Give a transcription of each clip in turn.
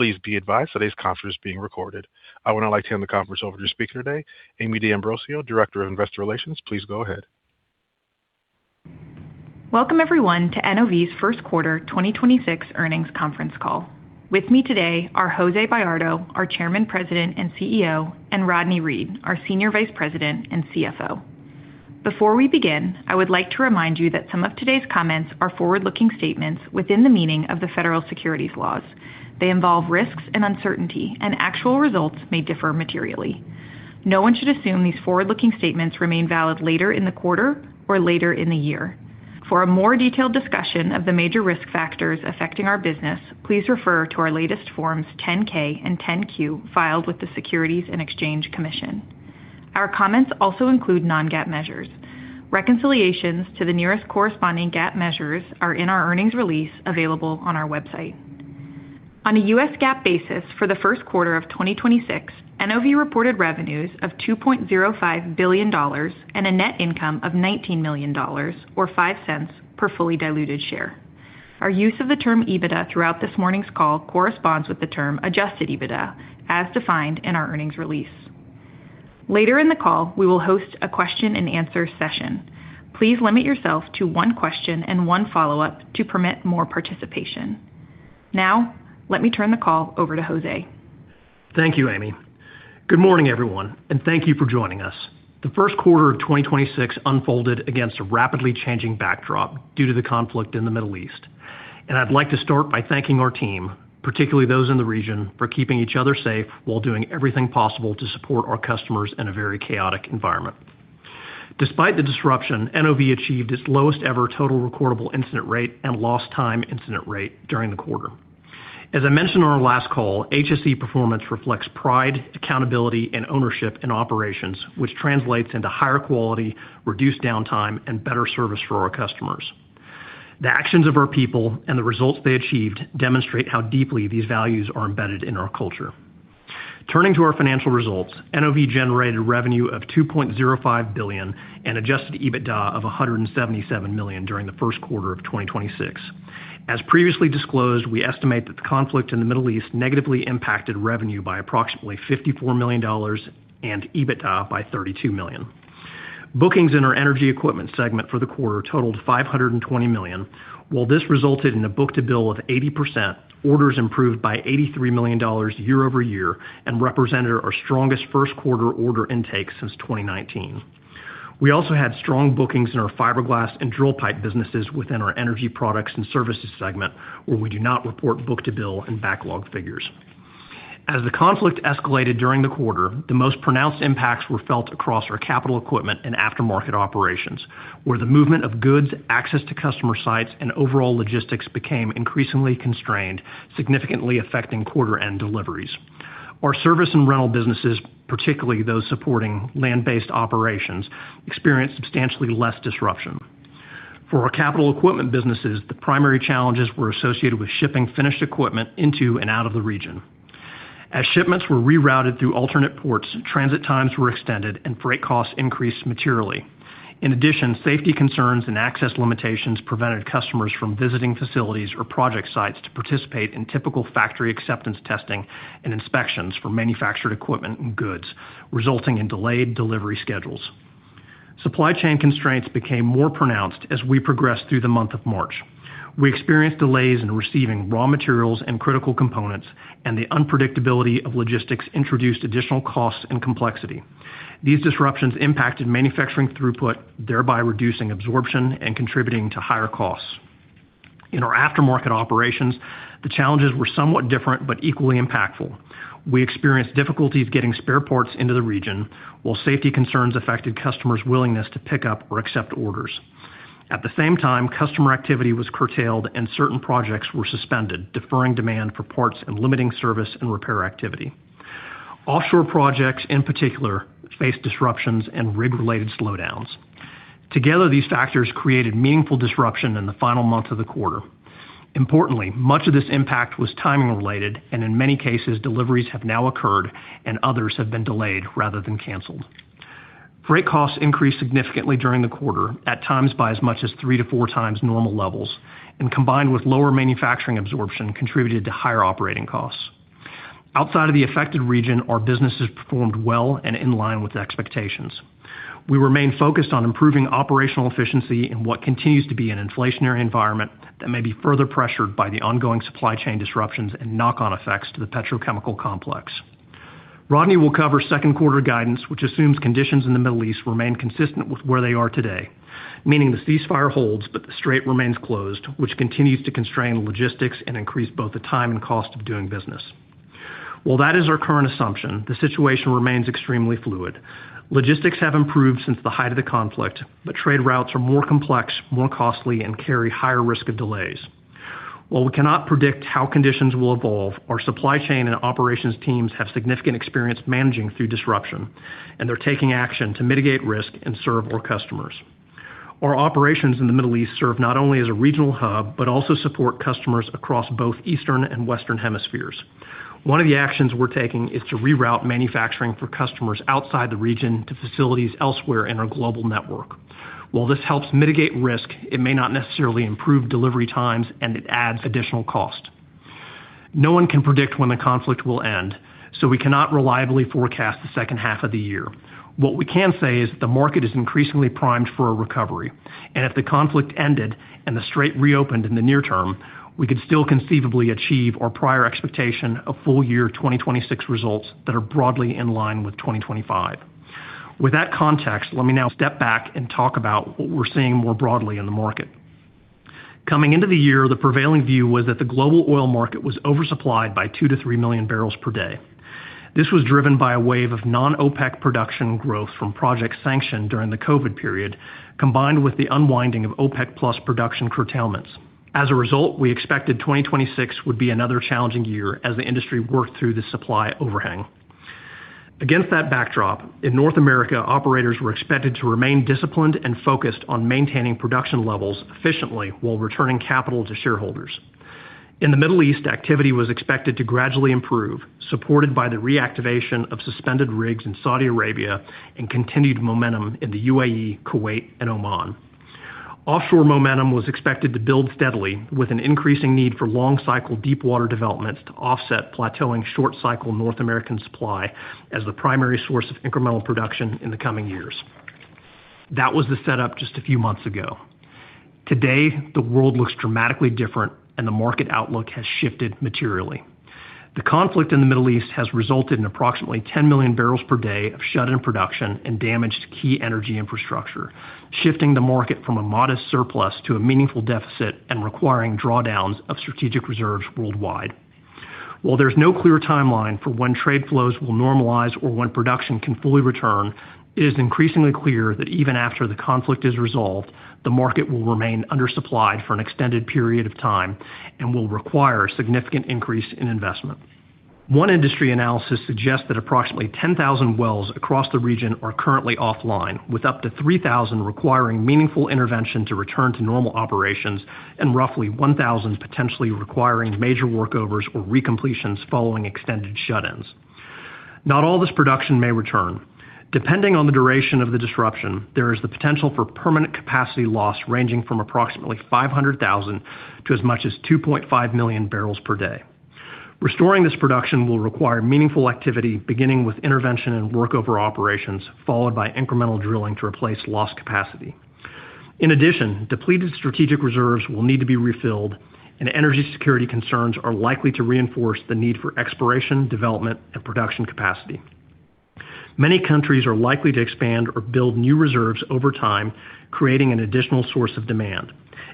Please be advised today's conference is being recorded. I would now like to hand the conference over to speaker today, Amie D'Ambrosio, Director of Investor Relations. Please go ahead. Welcome everyone to NOV's first quarter 2026 earnings conference call. With me today are Jose Bayardo, our Chairman, President, and CEO, and Rodney Reed, our Senior Vice President and CFO. Before we begin, I would like to remind you that some of today's comments are forward-looking statements within the meaning of the Federal Securities laws. They involve risks and uncertainty, and actual results may differ materially. No one should assume these forward-looking statements remain valid later in the quarter or later in the year. For a more detailed discussion of the major risk factors affecting our business, please refer to our latest Forms 10-K and 10-Q filed with the Securities and Exchange Commission. Our comments also include non-GAAP measures. Reconciliations to the nearest corresponding GAAP measures are in our earnings release available on our website. On a US GAAP basis for the first quarter of 2026, NOV reported revenues of $2.05 billion and a net income of $19 million or $0.05 per fully diluted share. Our use of the term EBITDA throughout this morning's call corresponds with the term adjusted EBITDA as defined in our earnings release. Later in the call, we will host a question-and-answer session. Please limit yourself to one question and one follow-up to permit more participation. Let me turn the call over to Jose. Thank you, Amie. Good morning, everyone, thank you for joining us. The first quarter of 2026 unfolded against a rapidly changing backdrop due to the conflict in the Middle East. I'd like to start by thanking our team, particularly those in the region, for keeping each other safe while doing everything possible to support our customers in a very chaotic environment. Despite the disruption, NOV achieved its lowest ever total recordable incident rate and lost time incident rate during the quarter. As I mentioned on our last call, HSE performance reflects pride, accountability, and ownership in operations, which translates into higher quality, reduced downtime, and better service for our customers. The actions of our people and the results they achieved demonstrate how deeply these values are embedded in our culture. Turning to our financial results, NOV generated revenue of $2.05 billion and adjusted EBITDA of $177 million during the first quarter of 2026. As previously disclosed, we estimate that the conflict in the Middle East negatively impacted revenue by approximately $54 million and EBITDA by $32 million. Bookings in our Energy Equipment segment for the quarter totaled $520 million. While this resulted in a book-to-bill of 80%, orders improved by $83 million year-over-year and represented our strongest first quarter order intake since 2019. We also had strong bookings in our fiberglass and drill pipe businesses within our Energy Products and Services segment, where we do not report book-to-bill and backlog figures. As the conflict escalated during the quarter, the most pronounced impacts were felt across our capital equipment and aftermarket operations, where the movement of goods, access to customer sites, and overall logistics became increasingly constrained, significantly affecting quarter end deliveries. Our service and rental businesses, particularly those supporting land-based operations, experienced substantially less disruption. For our capital equipment businesses, the primary challenges were associated with shipping finished equipment into and out of the region. As shipments were rerouted through alternate ports, transit times were extended and freight costs increased materially. In addition, safety concerns and access limitations prevented customers from visiting facilities or project sites to participate in typical factory acceptance testing and inspections for manufactured equipment and goods, resulting in delayed delivery schedules. Supply chain constraints became more pronounced as we progressed through the month of March. We experienced delays in receiving raw materials and critical components, and the unpredictability of logistics introduced additional costs and complexity. These disruptions impacted manufacturing throughput, thereby reducing absorption and contributing to higher costs. In our aftermarket operations, the challenges were somewhat different but equally impactful. We experienced difficulties getting spare parts into the region, while safety concerns affected customers' willingness to pick up or accept orders. At the same time, customer activity was curtailed and certain projects were suspended, deferring demand for parts and limiting service and repair activity. Offshore projects, in particular, faced disruptions and rig-related slowdowns. Together, these factors created meaningful disruption in the final month of the quarter. Importantly, much of this impact was timing related, and in many cases, deliveries have now occurred and others have been delayed rather than canceled. Freight costs increased significantly during the quarter, at times by as much as three to four times normal levels, and combined with lower manufacturing absorption contributed to higher operating costs. Outside of the affected region, our businesses performed well and in line with expectations. We remain focused on improving operational efficiency in what continues to be an inflationary environment that may be further pressured by the ongoing supply chain disruptions and knock-on effects to the petrochemical complex. Rodney will cover second quarter guidance, which assumes conditions in the Middle East remain consistent with where they are today, meaning the ceasefire holds, but the strait remains closed, which continues to constrain logistics and increase both the time and cost of doing business. While that is our current assumption, the situation remains extremely fluid. Logistics have improved since the height of the conflict, trade routes are more complex, more costly, and carry higher risk of delays. While we cannot predict how conditions will evolve, our supply chain and operations teams have significant experience managing through disruption, and they're taking action to mitigate risk and serve our customers. Our operations in the Middle East serve not only as a regional hub, but also support customers across both Eastern and Western hemispheres. One of the actions we're taking is to reroute manufacturing for customers outside the region to facilities elsewhere in our global network. While this helps mitigate risk, it may not necessarily improve delivery times, and it adds additional cost. No one can predict when the conflict will end, we cannot reliably forecast the second half of the year. What we can say is the market is increasingly primed for a recovery, and if the conflict ended and the strait reopened in the near term, we could still conceivably achieve our prior expectation of full-year 2026 results that are broadly in line with 2025. With that context, let me now step back and talk about what we're seeing more broadly in the market. Coming into the year, the prevailing view was that the global oil market was oversupplied by 2-3 MMbpd. This was driven by a wave of non-OPEC production growth from projects sanctioned during the COVID period, combined with the unwinding of OPEC+ production curtailments. We expected 2026 would be another challenging year as the industry worked through the supply overhang. Against that backdrop, in North America, operators were expected to remain disciplined and focused on maintaining production levels efficiently while returning capital to shareholders. In the Middle East, activity was expected to gradually improve, supported by the reactivation of suspended rigs in Saudi Arabia and continued momentum in the UAE, Kuwait, and Oman. Offshore momentum was expected to build steadily with an increasing need for long-cycle deepwater developments to offset plateauing short-cycle North American supply as the primary source of incremental production in the coming years. That was the setup just a few months ago. Today, the world looks dramatically different, and the market outlook has shifted materially. The conflict in the Middle East has resulted in approximately 10 MMbpd of shut-in production and damaged key energy infrastructure, shifting the market from a modest surplus to a meaningful deficit and requiring drawdowns of strategic reserves worldwide. While there's no clear timeline for when trade flows will normalize or when production can fully return, it is increasingly clear that even after the conflict is resolved, the market will remain undersupplied for an extended period of time and will require a significant increase in investment. One industry analysis suggests that approximately 10,000 wells across the region are currently offline, with up to 3,000 requiring meaningful intervention to return to normal operations and roughly 1,000 potentially requiring major workovers or recompletions following extended shut-ins. Not all this production may return. Depending on the duration of the disruption, there is the potential for permanent capacity loss ranging from approximately 500,000 to as much as 2.5 MMbpd. Restoring this production will require meaningful activity, beginning with intervention and workover operations, followed by incremental drilling to replace lost capacity. In addition, depleted strategic reserves will need to be refilled, and energy security concerns are likely to reinforce the need for exploration, development, and production capacity. Many countries are likely to expand or build new reserves over time, creating an additional source of demand.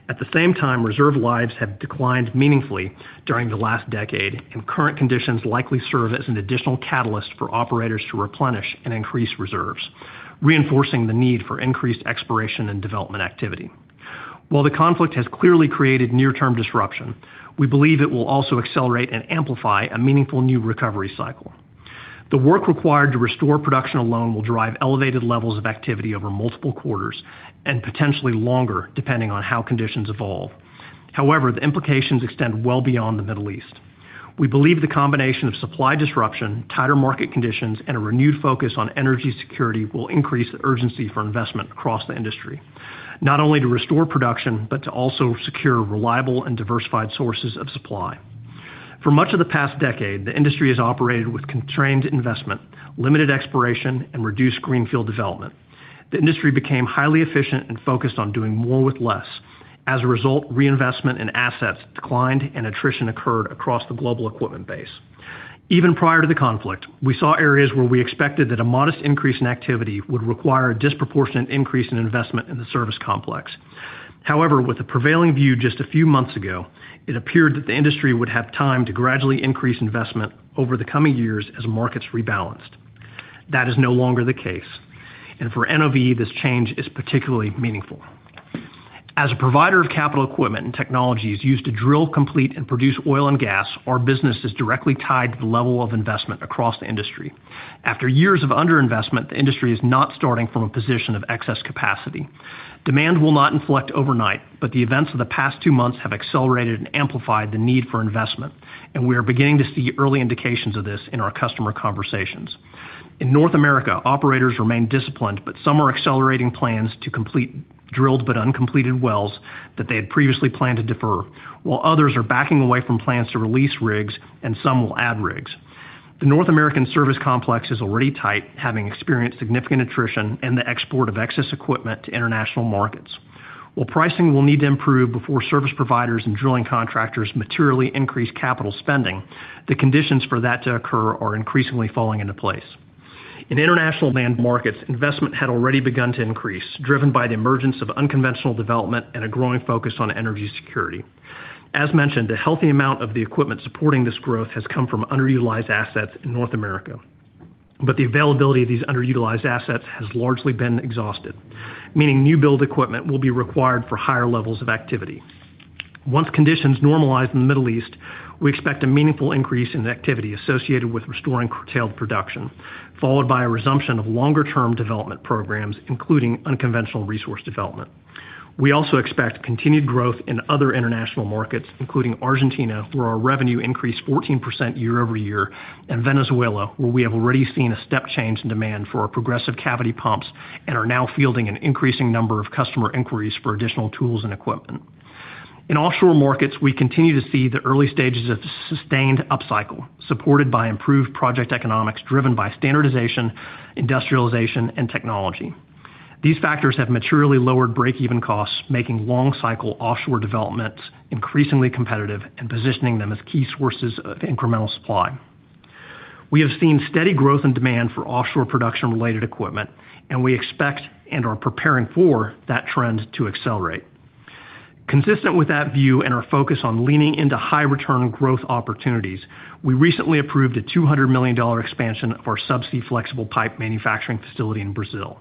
At the same time, reserve lives have declined meaningfully during the last decade, and current conditions likely serve as an additional catalyst for operators to replenish and increase reserves, reinforcing the need for increased exploration and development activity. While the conflict has clearly created near-term disruption, we believe it will also accelerate and amplify a meaningful new recovery cycle. The work required to restore production alone will drive elevated levels of activity over multiple quarters and potentially longer, depending on how conditions evolve. However, the implications extend well beyond the Middle East. We believe the combination of supply disruption, tighter market conditions, and a renewed focus on energy security will increase the urgency for investment across the industry, not only to restore production, but to also secure reliable and diversified sources of supply. For much of the past decade, the industry has operated with constrained investment, limited exploration, and reduced greenfield development. The industry became highly efficient and focused on doing more with less. As a result, reinvestment in assets declined and attrition occurred across the global equipment base. Even prior to the conflict, we saw areas where we expected that a modest increase in activity would require a disproportionate increase in investment in the service complex. However, with the prevailing view just a few months ago, it appeared that the industry would have time to gradually increase investment over the coming years as markets rebalanced. That is no longer the case. For NOV, this change is particularly meaningful. As a provider of capital equipment and technologies used to drill, complete, and produce oil and gas, our business is directly tied to the level of investment across the industry. After years of underinvestment, the industry is not starting from a position of excess capacity. Demand will not inflect overnight, but the events of the past two months have accelerated and amplified the need for investment. We are beginning to see early indications of this in our customer conversations. In North America, operators remain disciplined, but some are accelerating plans to complete drilled but uncompleted wells that they had previously planned to defer, while others are backing away from plans to release rigs. Some will add rigs. The North American service complex is already tight, having experienced significant attrition and the export of excess equipment to international markets. While pricing will need to improve before service providers and drilling contractors materially increase capital spending, the conditions for that to occur are increasingly falling into place. In international land markets, investment had already begun to increase, driven by the emergence of unconventional development and a growing focus on energy security. As mentioned, a healthy amount of the equipment supporting this growth has come from underutilized assets in North America, but the availability of these underutilized assets has largely been exhausted, meaning new-build equipment will be required for higher levels of activity. Once conditions normalize in the Middle East, we expect a meaningful increase in activity associated with restoring curtailed production, followed by a resumption of longer-term development programs, including unconventional resource development. We also expect continued growth in other international markets, including Argentina, where our revenue increased 14% year-over-year, and Venezuela, where we have already seen a step change in demand for our progressive cavity pumps and are now fielding an increasing number of customer inquiries for additional tools and equipment. In offshore markets, we continue to see the early stages of sustained upcycle, supported by improved project economics driven by standardization, industrialization, and technology. These factors have materially lowered break-even costs, making long-cycle offshore developments increasingly competitive and positioning them as key sources of incremental supply. We have seen steady growth and demand for offshore production-related equipment, and we expect and are preparing for that trend to accelerate. Consistent with that view and our focus on leaning into high return growth opportunities, we recently approved a $200 million expansion of our subsea flexible pipe manufacturing facility in Brazil.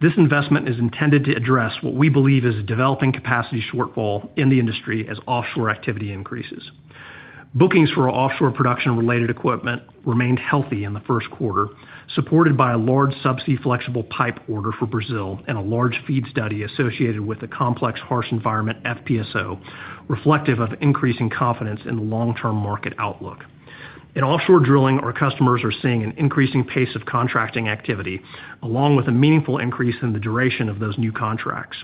This investment is intended to address what we believe is a developing capacity shortfall in the industry as offshore activity increases. Bookings for offshore production-related equipment remained healthy in the first quarter, supported by a large subsea flexible pipe order for Brazil and a large FEED study associated with the complex harsh environment FPSO, reflective of increasing confidence in the long-term market outlook. In offshore drilling, our customers are seeing an increasing pace of contracting activity, along with a meaningful increase in the duration of those new contracts.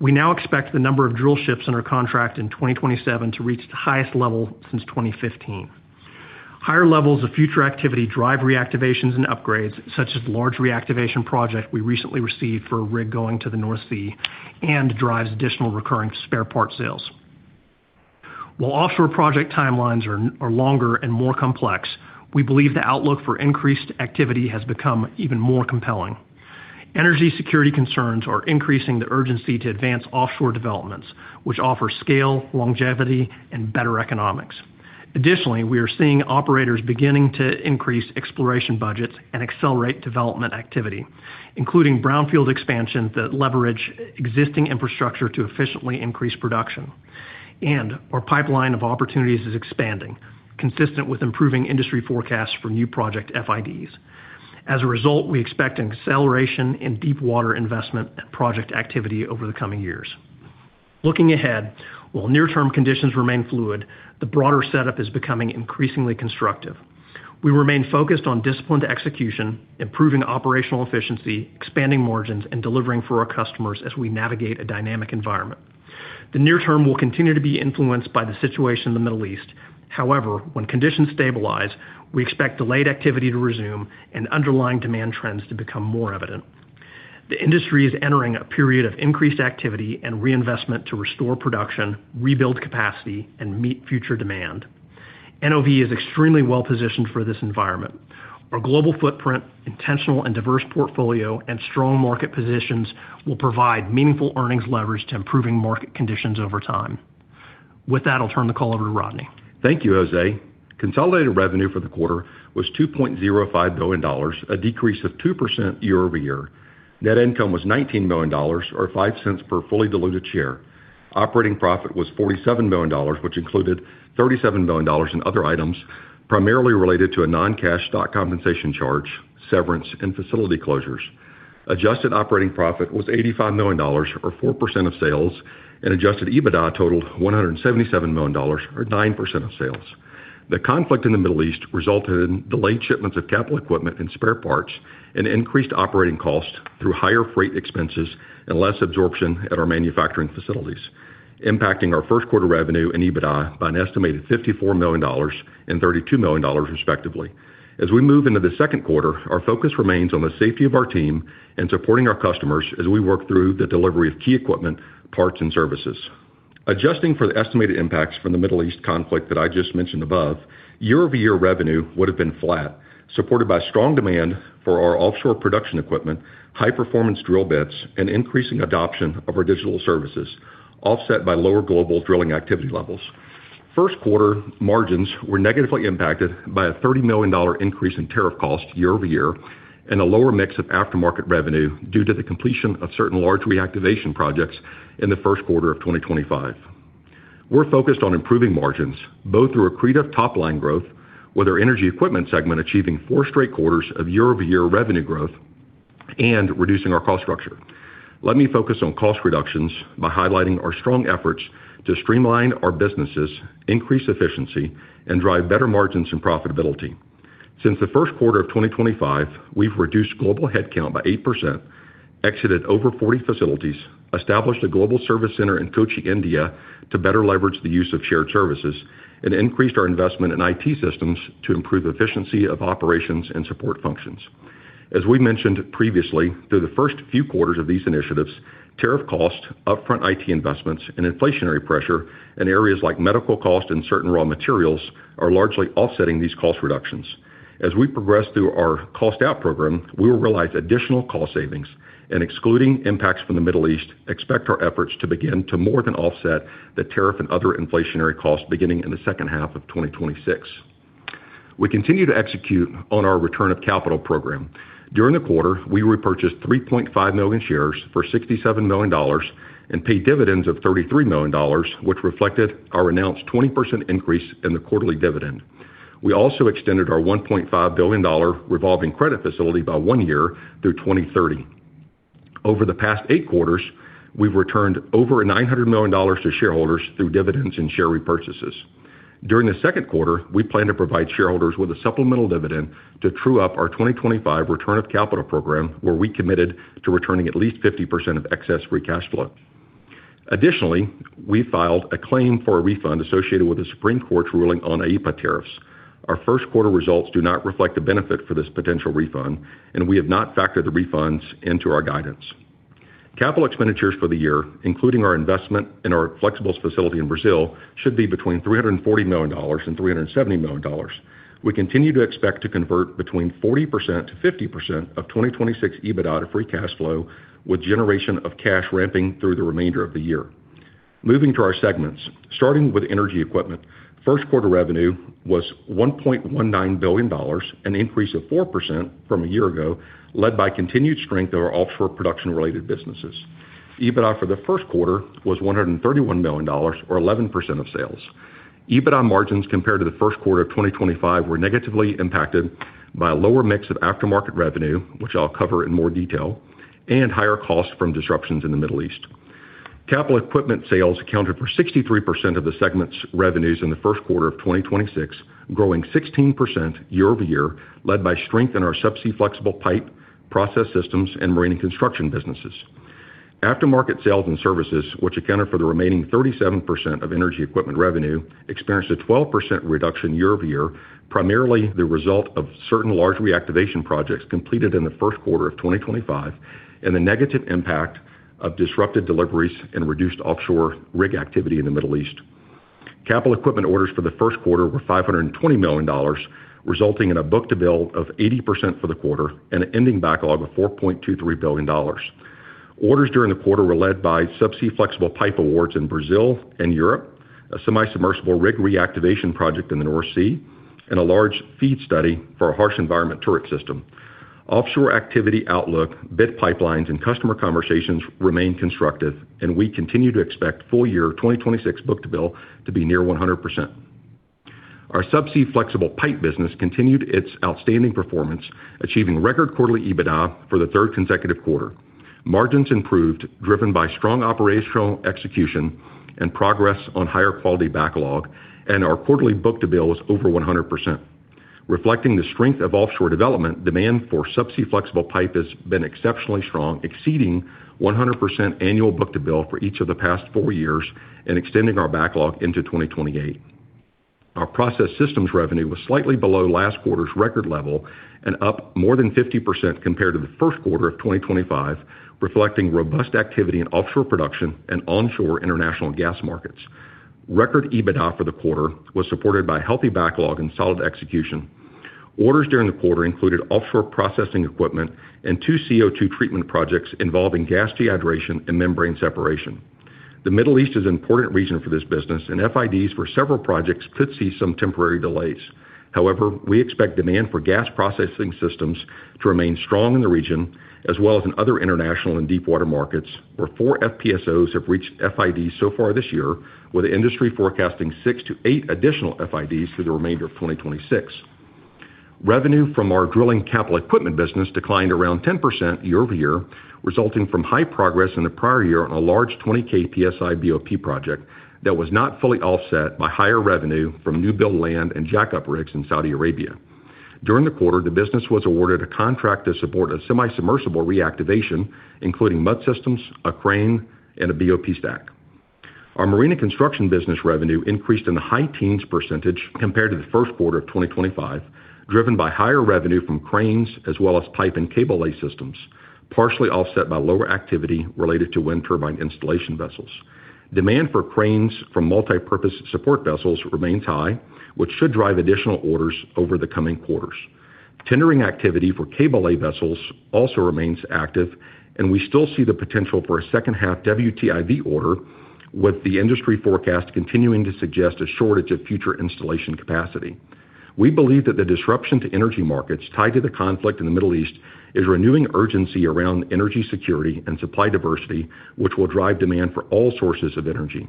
We now expect the number of drill ships under contract in 2027 to reach the highest level since 2015. Higher levels of future activity drive reactivations and upgrades, such as large reactivation project we recently received for a rig going to the North Sea and drives additional recurring spare parts sales. While offshore project timelines are longer and more complex, we believe the outlook for increased activity has become even more compelling. Energy security concerns are increasing the urgency to advance offshore developments, which offer scale, longevity, and better economics. We are seeing operators beginning to increase exploration budgets and accelerate development activity, including brownfield expansions that leverage existing infrastructure to efficiently increase production. Our pipeline of opportunities is expanding, consistent with improving industry forecasts for new project FIDs. As a result, we expect an acceleration in deep water investment and project activity over the coming years. Looking ahead, while near-term conditions remain fluid, the broader setup is becoming increasingly constructive. We remain focused on disciplined execution, improving operational efficiency, expanding margins, and delivering for our customers as we navigate a dynamic environment. The near term will continue to be influenced by the situation in the Middle East. When conditions stabilize, we expect delayed activity to resume and underlying demand trends to become more evident. The industry is entering a period of increased activity and reinvestment to restore production, rebuild capacity, and meet future demand. NOV is extremely well-positioned for this environment. Our global footprint, intentional and diverse portfolio, and strong market positions will provide meaningful earnings leverage to improving market conditions over time. With that, I'll turn the call over to Rodney. Thank you, Jose. Consolidated revenue for the quarter was $2.05 billion, a decrease of 2% year-over-year. Net income was $19 million, or $0.05 per fully diluted share. Operating profit was $47 million, which included $37 million in other items, primarily related to a non-cash stock compensation charge, severance, and facility closures. Adjusted operating profit was $85 million, or 4% of sales, and adjusted EBITDA totaled $177 million, or 9% of sales. The conflict in the Middle East resulted in delayed shipments of capital equipment and spare parts and increased operating costs through higher freight expenses and less absorption at our manufacturing facilities, impacting our first quarter revenue and EBITDA by an estimated $54 million and $32 million, respectively. As we move into the second quarter, our focus remains on the safety of our team and supporting our customers as we work through the delivery of key equipment, parts, and services. Adjusting for the estimated impacts from the Middle East conflict that I just mentioned above, year-over-year revenue would have been flat, supported by strong demand for our offshore production equipment, high-performance drill bits, and increasing adoption of our digital services, offset by lower global drilling activity levels. First quarter margins were negatively impacted by a $30 million increase in tariff cost year-over-year and a lower mix of aftermarket revenue due to the completion of certain large reactivation projects in the first quarter of 2025. We're focused on improving margins, both through accretive top-line growth, with our Energy Equipment segment achieving four straight quarters of year-over-year revenue growth, and reducing our cost structure. Let me focus on cost reductions by highlighting our strong efforts to streamline our businesses, increase efficiency, and drive better margins and profitability. Since the first quarter of 2025, we've reduced global headcount by 8%, exited over 40 facilities, established a global service center in Kochi, India, to better leverage the use of shared services, and increased our investment in IT systems to improve efficiency of operations and support functions. As we mentioned previously, through the first few quarters of these initiatives, tariff cost, upfront IT investments, and inflationary pressure in areas like medical cost and certain raw materials are largely offsetting these cost reductions. As we progress through our cost out program, we will realize additional cost savings, and excluding impacts from the Middle East, expect our efforts to begin to more than offset the tariff and other inflationary costs beginning in the second half of 2026. We continue to execute on our return of capital program. During the quarter, we repurchased 3.5 million shares for $67 million and paid dividends of $33 million, which reflected our announced 20% increase in the quarterly dividend. We also extended our $1.5 billion revolving credit facility by one year through 2030. Over the past eight quarters, we've returned over $900 million to shareholders through dividends and share repurchases. During the second quarter, we plan to provide shareholders with a supplemental dividend to true up our 2025 return of capital program, where we committed to returning at least 50% of excess free cash flow. Additionally, we filed a claim for a refund associated with the Supreme Court's ruling on IEEPA tariffs. Our first quarter results do not reflect the benefit for this potential refund, and we have not factored the refunds into our guidance. Capital expenditures for the year, including our investment in our flexibles facility in Brazil, should be between $340 million and $370 million. We continue to expect to convert between 40% to 50% of 2026 EBITDA to free cash flow, with generation of cash ramping through the remainder of the year. Moving to our segments, starting with Energy Equipment. First quarter revenue was $1.19 billion, an increase of 4% from a year ago, led by continued strength of our offshore production-related businesses. EBITDA for the first quarter was $131 million, or 11% of sales. EBITDA margins compared to the first quarter of 2025 were negatively impacted by a lower mix of aftermarket revenue, which I'll cover in more detail, and higher costs from disruptions in the Middle East. Capital equipment sales accounted for 63% of the segment's revenues in the first quarter of 2026, growing 16% year-over-year, led by strength in our subsea flexible pipe, Process Systems, and Marine and Construction businesses. Aftermarket sales and services, which accounted for the remaining 37% of Energy Equipment revenue, experienced a 12% reduction year-over-year, primarily the result of certain large reactivation projects completed in the first quarter of 2025 and the negative impact of disrupted deliveries and reduced offshore rig activity in the Middle East. Capital equipment orders for the first quarter were $520 million, resulting in a book-to-bill of 80% for the quarter and an ending backlog of $4.23 billion. Orders during the quarter were led by subsea flexible pipe awards in Brazil and Europe, a semi-submersible rig reactivation project in the North Sea, and a large FEED study for a harsh environment turret system. Offshore activity outlook, bid pipelines, and customer conversations remain constructive, and we continue to expect full-year 2026 book-to-bill to be near 100%. Our subsea flexible pipe business continued its outstanding performance, achieving record quarterly EBITDA for the third consecutive quarter. Margins improved, driven by strong operational execution and progress on higher quality backlog, and our quarterly book-to-bill was over 100%. Reflecting the strength of offshore development, demand for subsea flexible pipe has been exceptionally strong, exceeding 100% annual book-to-bill for each of the past four years and extending our backlog into 2028. Our Process Systems revenue was slightly below last quarter's record level and up more than 50% compared to the first quarter of 2025, reflecting robust activity in offshore production and onshore international gas markets. Record EBITDA for the quarter was supported by healthy backlog and solid execution. Orders during the quarter included offshore processing equipment and two CO2 treatment projects involving gas dehydration and membrane separation. The Middle East is an important region for this business, and FIDs for several projects could see some temporary delays. However, we expect demand for gas processing systems to remain strong in the region, as well as in other international and deepwater markets, where four FPSOs have reached FID so far this year, with industry forecasting six to eight additional FIDs through the remainder of 2026. Revenue from our drilling capital equipment business declined around 10% year-over-year, resulting from high progress in the prior year on a large 20,000 psi BOP project that was not fully offset by higher revenue from new-build land and jackup rigs in Saudi Arabia. During the quarter, the business was awarded a contract to support a semi-submersible reactivation, including mud systems, a crane, and a BOP stack. Our marine and construction business revenue increased in the high teens percentage compared to the first quarter of 2025, driven by higher revenue from cranes as well as pipe and cable lay systems, partially offset by lower activity related to wind turbine installation vessels. Demand for cranes from multipurpose support vessels remains high, which should drive additional orders over the coming quarters. Tendering activity for cable lay vessels also remains active, and we still see the potential for a second-half WTIV order, with the industry forecast continuing to suggest a shortage of future installation capacity. We believe that the disruption to energy markets tied to the conflict in the Middle East is renewing urgency around energy security and supply diversity, which will drive demand for all sources of energy.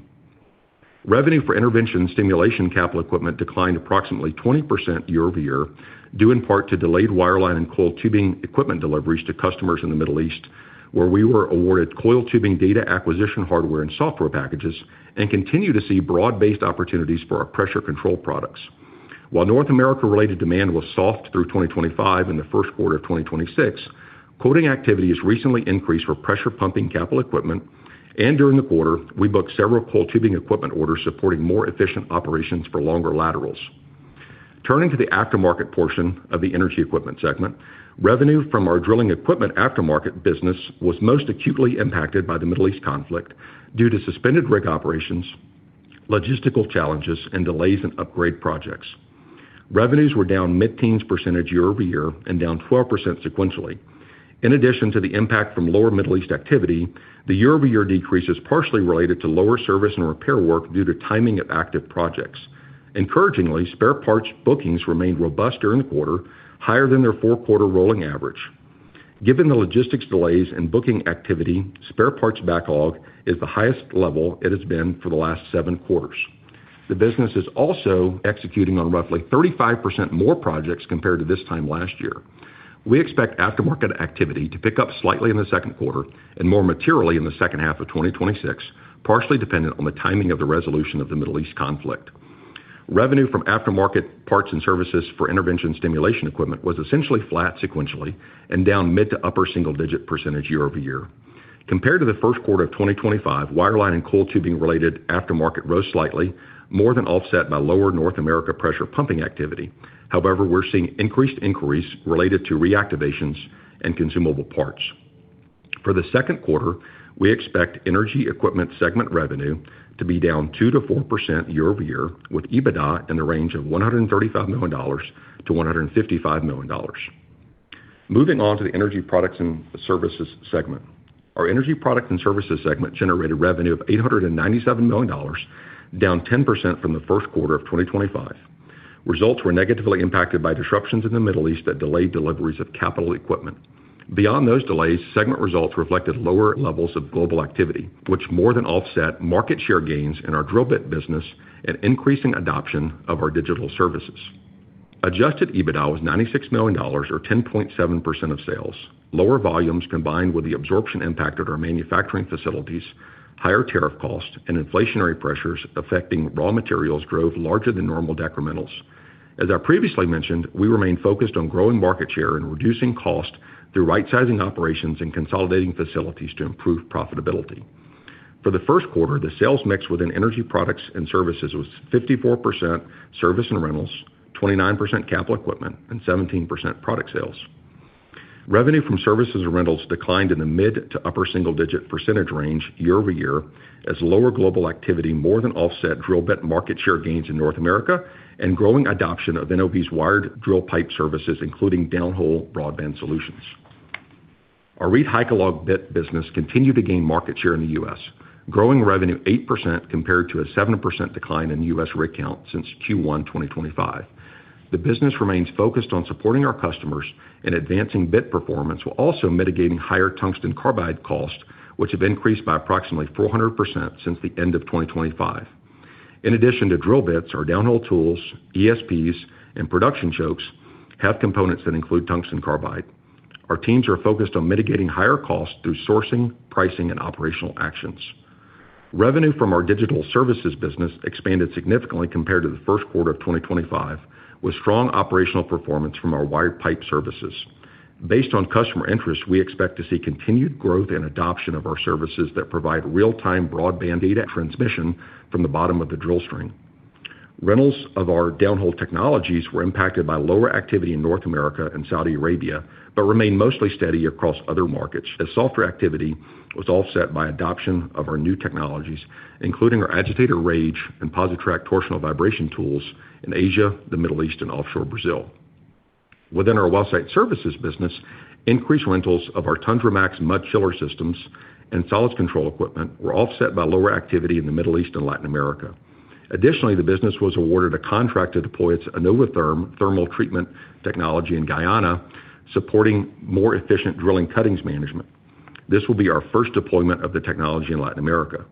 Revenue for intervention stimulation capital equipment declined approximately 20% year-over-year, due in part to delayed wireline and coil tubing equipment deliveries to customers in the Middle East, where we were awarded coil tubing data acquisition hardware and software packages and continue to see broad-based opportunities for our pressure control products. While North America-related demand was soft through 2025 and the first quarter of 2026, quoting activity has recently increased for pressure pumping capital equipment, and during the quarter, we booked several coil tubing equipment orders supporting more efficient operations for longer laterals. Turning to the aftermarket portion of the Energy Equipment segment, revenue from our drilling equipment aftermarket business was most acutely impacted by the Middle East conflict due to suspended rig operations, logistical challenges, and delays in upgrade projects. Revenues were down mid-teens percentage year-over-year and down 12% sequentially. In addition to the impact from lower Middle East activity, the year-over-year decrease is partially related to lower service and repair work due to timing of active projects. Encouragingly, spare parts bookings remained robust during the quarter, higher than their four-quarter rolling average. Given the logistics delays and booking activity, spare parts backlog is the highest level it has been for the last seven quarters. The business is also executing on roughly 35% more projects compared to this time last year. We expect aftermarket activity to pick up slightly in the second quarter and more materially in the second half of 2026, partially dependent on the timing of the resolution of the Middle East conflict. Revenue from aftermarket parts and services for intervention stimulation equipment was essentially flat sequentially and down mid- to upper single-digit percentage year-over-year. Compared to the first quarter of 2025, wireline and coil tubing related aftermarket rose slightly, more than offset by lower North America pressure pumping activity. We're seeing increased inquiries related to reactivations and consumable parts. For the second quarter, we expect Energy Equipment segment revenue to be down 2%-4% year-over-year, with EBITDA in the range of $135 million-$155 million. Moving on to the Energy Products and Services segment. Our Energy Products and Services segment generated revenue of $897 million, down 10% from the first quarter of 2025. Results were negatively impacted by disruptions in the Middle East that delayed deliveries of capital equipment. Beyond those delays, segment results reflected lower levels of global activity, which more than offset market share gains in our drill bit business and increasing adoption of our digital services. Adjusted EBITDA was $96 million or 10.7% of sales. Lower volumes combined with the absorption impact at our manufacturing facilities, higher tariff costs, and inflationary pressures affecting raw materials drove larger than normal decrementals. As I previously mentioned, we remain focused on growing market share and reducing cost through right-sizing operations and consolidating facilities to improve profitability. For the first quarter, the sales mix within Energy Products and Services was 54% service and rentals, 29% capital equipment, and 17% product sales. Revenue from services and rentals declined in the mid-to-upper single-digit percentage range year-over-year as lower global activity more than offset drill bit market share gains in North America and growing adoption of NOV's wired drill pipe services, including Downhole Broadband Solutions. Our ReedHycalog bit business continued to gain market share in the U.S., growing revenue 8% compared to a 7% decline in U.S. rig count since Q1 2025. The business remains focused on supporting our customers and advancing bit performance while also mitigating higher tungsten carbide costs, which have increased by approximately 400% since the end of 2025. In addition to drill bits, our downhole tools, ESPs, and production chokes have components that include tungsten carbide. Our teams are focused on mitigating higher costs through sourcing, pricing, and operational actions. Revenue from our digital services business expanded significantly compared to the first quarter of 2025, with strong operational performance from our wired pipe services. Based on customer interest, we expect to see continued growth and adoption of our services that provide real-time broadband data transmission from the bottom of the drill string. Rentals of our downhole technologies were impacted by lower activity in North America and Saudi Arabia, but remained mostly steady across other markets as softer activity was offset by adoption of our new technologies, including our Agitator Rage and PosiTrack Torsional Vibration tools in Asia, the Middle East, and offshore Brazil. Within our well site services business, increased rentals of our Tundra Max Mud Chiller systems and solids control equipment were offset by lower activity in the Middle East and Latin America. Additionally, the business was awarded a contract to deploy its iNOVaTHERM thermal treatment technology in Guyana, supporting more efficient drilling cuttings management. This will be our first deployment of the technology in Latin America.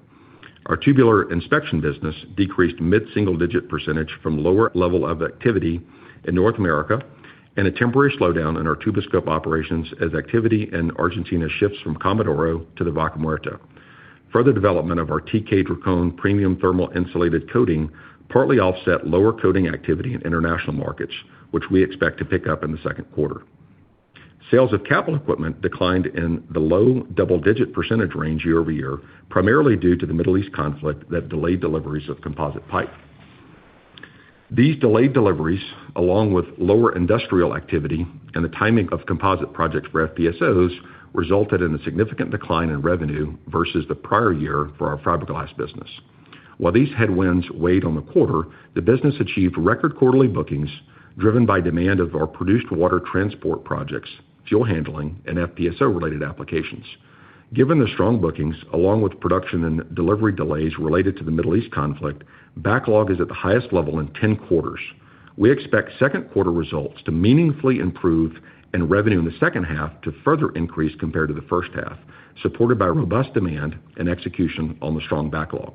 Our tubular inspection business decreased mid-single digit percentage from lower level of activity in North America and a temporary slowdown in our Tuboscope operations as activity in Argentina shifts from Comodoro to the Vaca Muerta. Further development of our TK-Drakōn premium thermal insulated coating partly offset lower coating activity in international markets, which we expect to pick up in the second quarter. Sales of capital equipment declined in the low double-digit percentage range year-over-year, primarily due to the Middle East conflict that delayed deliveries of composite pipe. These delayed deliveries, along with lower industrial activity and the timing of composite projects for FPSOs, resulted in a significant decline in revenue versus the prior year for our fiberglass business. While these headwinds weighed on the quarter, the business achieved record quarterly bookings driven by demand of our produced water transport projects, fuel handling, and FPSO-related applications. Given the strong bookings, along with production and delivery delays related to the Middle East conflict, backlog is at the highest level in 10 quarters. We expect second quarter results to meaningfully improve and revenue in the second half to further increase compared to the first half, supported by robust demand and execution on the strong backlog.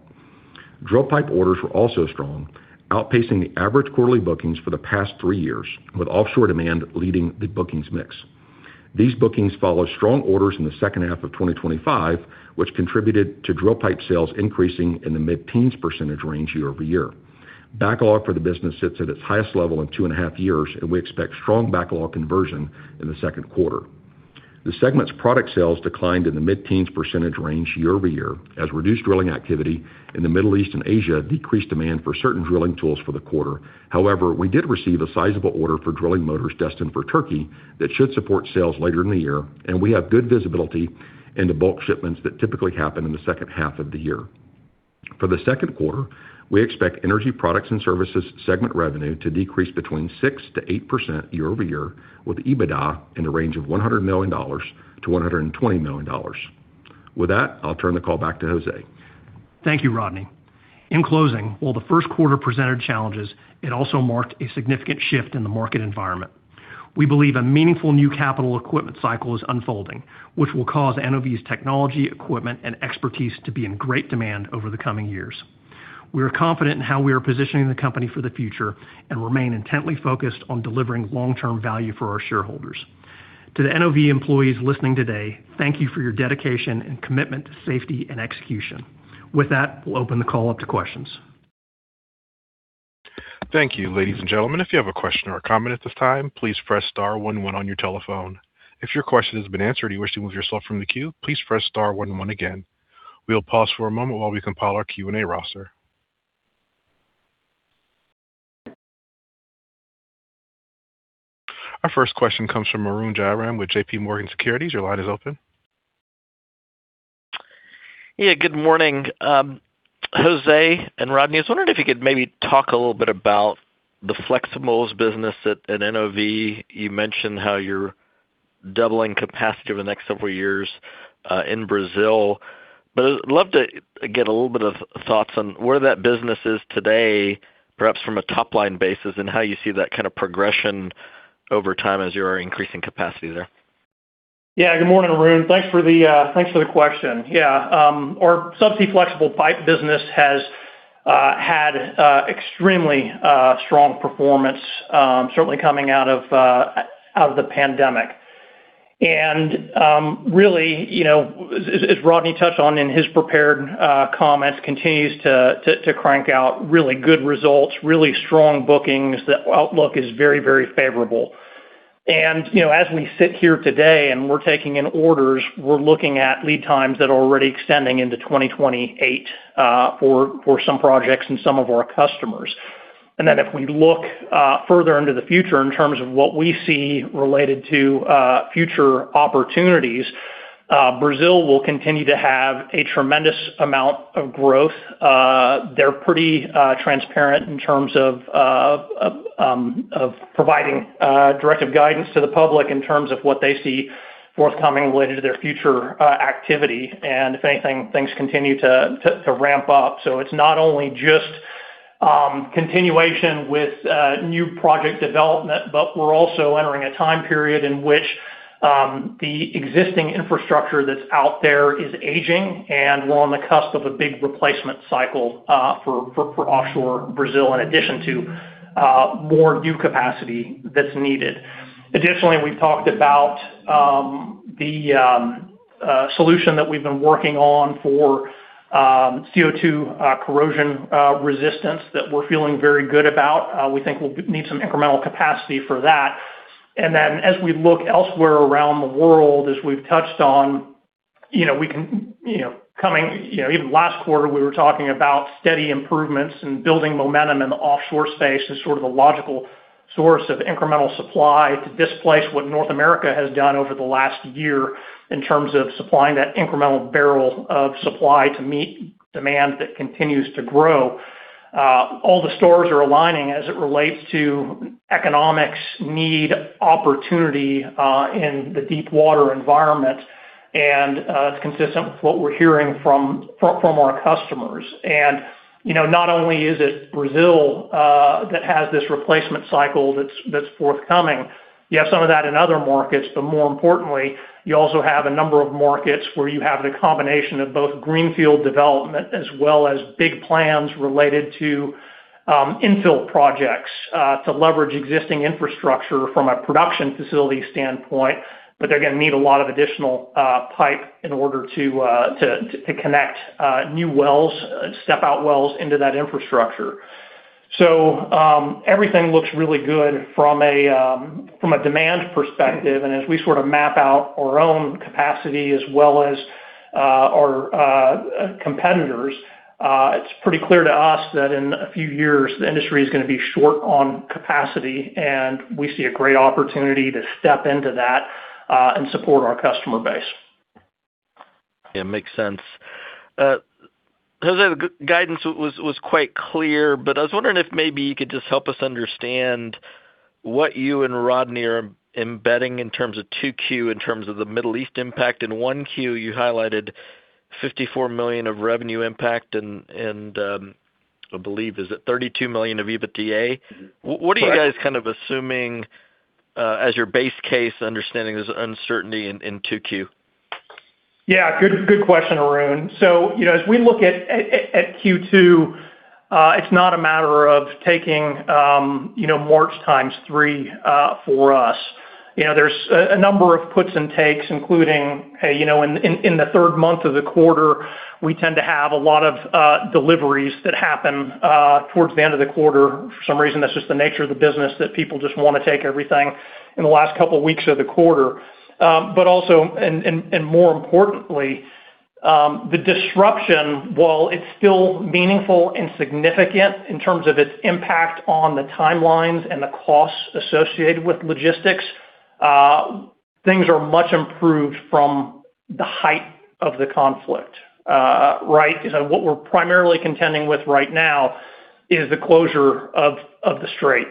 Drill pipe orders were also strong, outpacing the average quarterly bookings for the past three years, with offshore demand leading the bookings mix. These bookings follow strong orders in the second half of 2025, which contributed to drill pipe sales increasing in the mid-teens percentage range year-over-year. Backlog for the business sits at its highest level in two and a half years, and we expect strong backlog conversion in the second quarter. The segment's product sales declined in the mid-teens percentage range year-over-year as reduced drilling activity in the Middle East and Asia decreased demand for certain drilling tools for the quarter. We did receive a sizable order for drilling motors destined for Turkey that should support sales later in the year, and we have good visibility into bulk shipments that typically happen in the second half of the year. For the second quarter, we expect Energy Products and Services segment revenue to decrease between 6%-8% year-over-year, with EBITDA in the range of $100 million-$120 million. With that, I'll turn the call back to Jose. Thank you, Rodney. In closing, while the first quarter presented challenges, it also marked a significant shift in the market environment. We believe a meaningful new capital equipment cycle is unfolding, which will cause NOV's technology, equipment, and expertise to be in great demand over the coming years. We are confident in how we are positioning the company for the future and remain intently focused on delivering long-term value for our shareholders. To the NOV employees listening today, thank you for your dedication and commitment to safety and execution. With that, we'll open the call up to questions. Thank you. Ladies and gentlemen, if you have a question or a comment at this time, please press star one one on your telephone. If your question has been answered or you wish to move yourself from the queue, please press star one one again. We'll pause for a moment while we compile our Q&A roster. Our first question comes from Arjun Jayaram with JPMorgan Securities. Your line is open. Yeah, good morning, Jose and Rodney. I was wondering if you could maybe talk a little bit about the flexibles business at NOV. You mentioned how you're doubling capacity over the next several years, in Brazil. I'd love to get a little bit of thoughts on where that business is today, perhaps from a top-line basis, and how you see that kind of progression over time as you are increasing capacity there. Good morning, Arjun. Thanks for the thanks for the question. Our subsea flexible pipe business has had extremely strong performance, certainly coming out of out of the pandemic. Really, you know, as Rodney touched on in his prepared comments, continues to crank out really good results, really strong bookings. The outlook is very favorable. You know, as we sit here today and we're taking in orders, we're looking at lead times that are already extending into 2028 for some projects and some of our customers. If we look further into the future in terms of what we see related to future opportunities, Brazil will continue to have a tremendous amount of growth. They're pretty transparent in terms of providing directive guidance to the public in terms of what they see forthcoming related to their future activity. If anything, things continue to ramp up. It's not only just continuation with new project development, but we're also entering a time period in which the existing infrastructure that's out there is aging, and we're on the cusp of a big replacement cycle for offshore Brazil, in addition to more new capacity that's needed. We've talked about the solution that we've been working on for CO2 corrosion resistance that we're feeling very good about. We think we'll need some incremental capacity for that. As we look elsewhere around the world, as we've touched on, you know, we can, you know, coming, you know, even last quarter, we were talking about steady improvements and building momentum in the offshore space as sort of a logical source of incremental supply to displace what North America has done over the last year in terms of supplying that incremental barrel of supply to meet demand that continues to grow. All the stars are aligning as it relates to economics need opportunity in the deep water environment. It's consistent with what we're hearing from our customers. You know, not only is it Brazil that has this replacement cycle that's forthcoming, you have some of that in other markets, but more importantly, you also have a number of markets where you have the combination of both greenfield development as well as big plans related to infill projects to leverage existing infrastructure from a production facility standpoint. They're gonna need a lot of additional pipe in order to connect new wells, step-out wells into that infrastructure. Everything looks really good from a demand perspective. As we sort of map out our own capacity as well as our competitors, it's pretty clear to us that in a few years, the industry is gonna be short on capacity, and we see a great opportunity to step into that and support our customer base. Yeah, makes sense. Jose, the guidance was quite clear, but I was wondering if maybe you could just help us understand what you and Rodney are embedding in terms of 2Q, in terms of the Middle East impact. In 1Q, you highlighted $54 million of revenue impact, I believe, is it $32 million of EBITDA? Correct. What are you guys kind of assuming, as your base case, understanding there's uncertainty in 2Q? Yeah, good question, Arjun. You know, as we look at Q2, it's not a matter of taking, you know, March times three for us. You know, there's a number of puts and takes, including, you know, in the third month of the quarter, we tend to have a lot of deliveries that happen towards the end of the quarter. For some reason, that's just the nature of the business, that people just want to take everything in the last couple weeks of the quarter. But also and more importantly, the disruption, while it's still meaningful and significant in terms of its impact on the timelines and the costs associated with logistics, things are much improved from the height of the conflict. Right? What we're primarily contending with right now is the closure of the strait.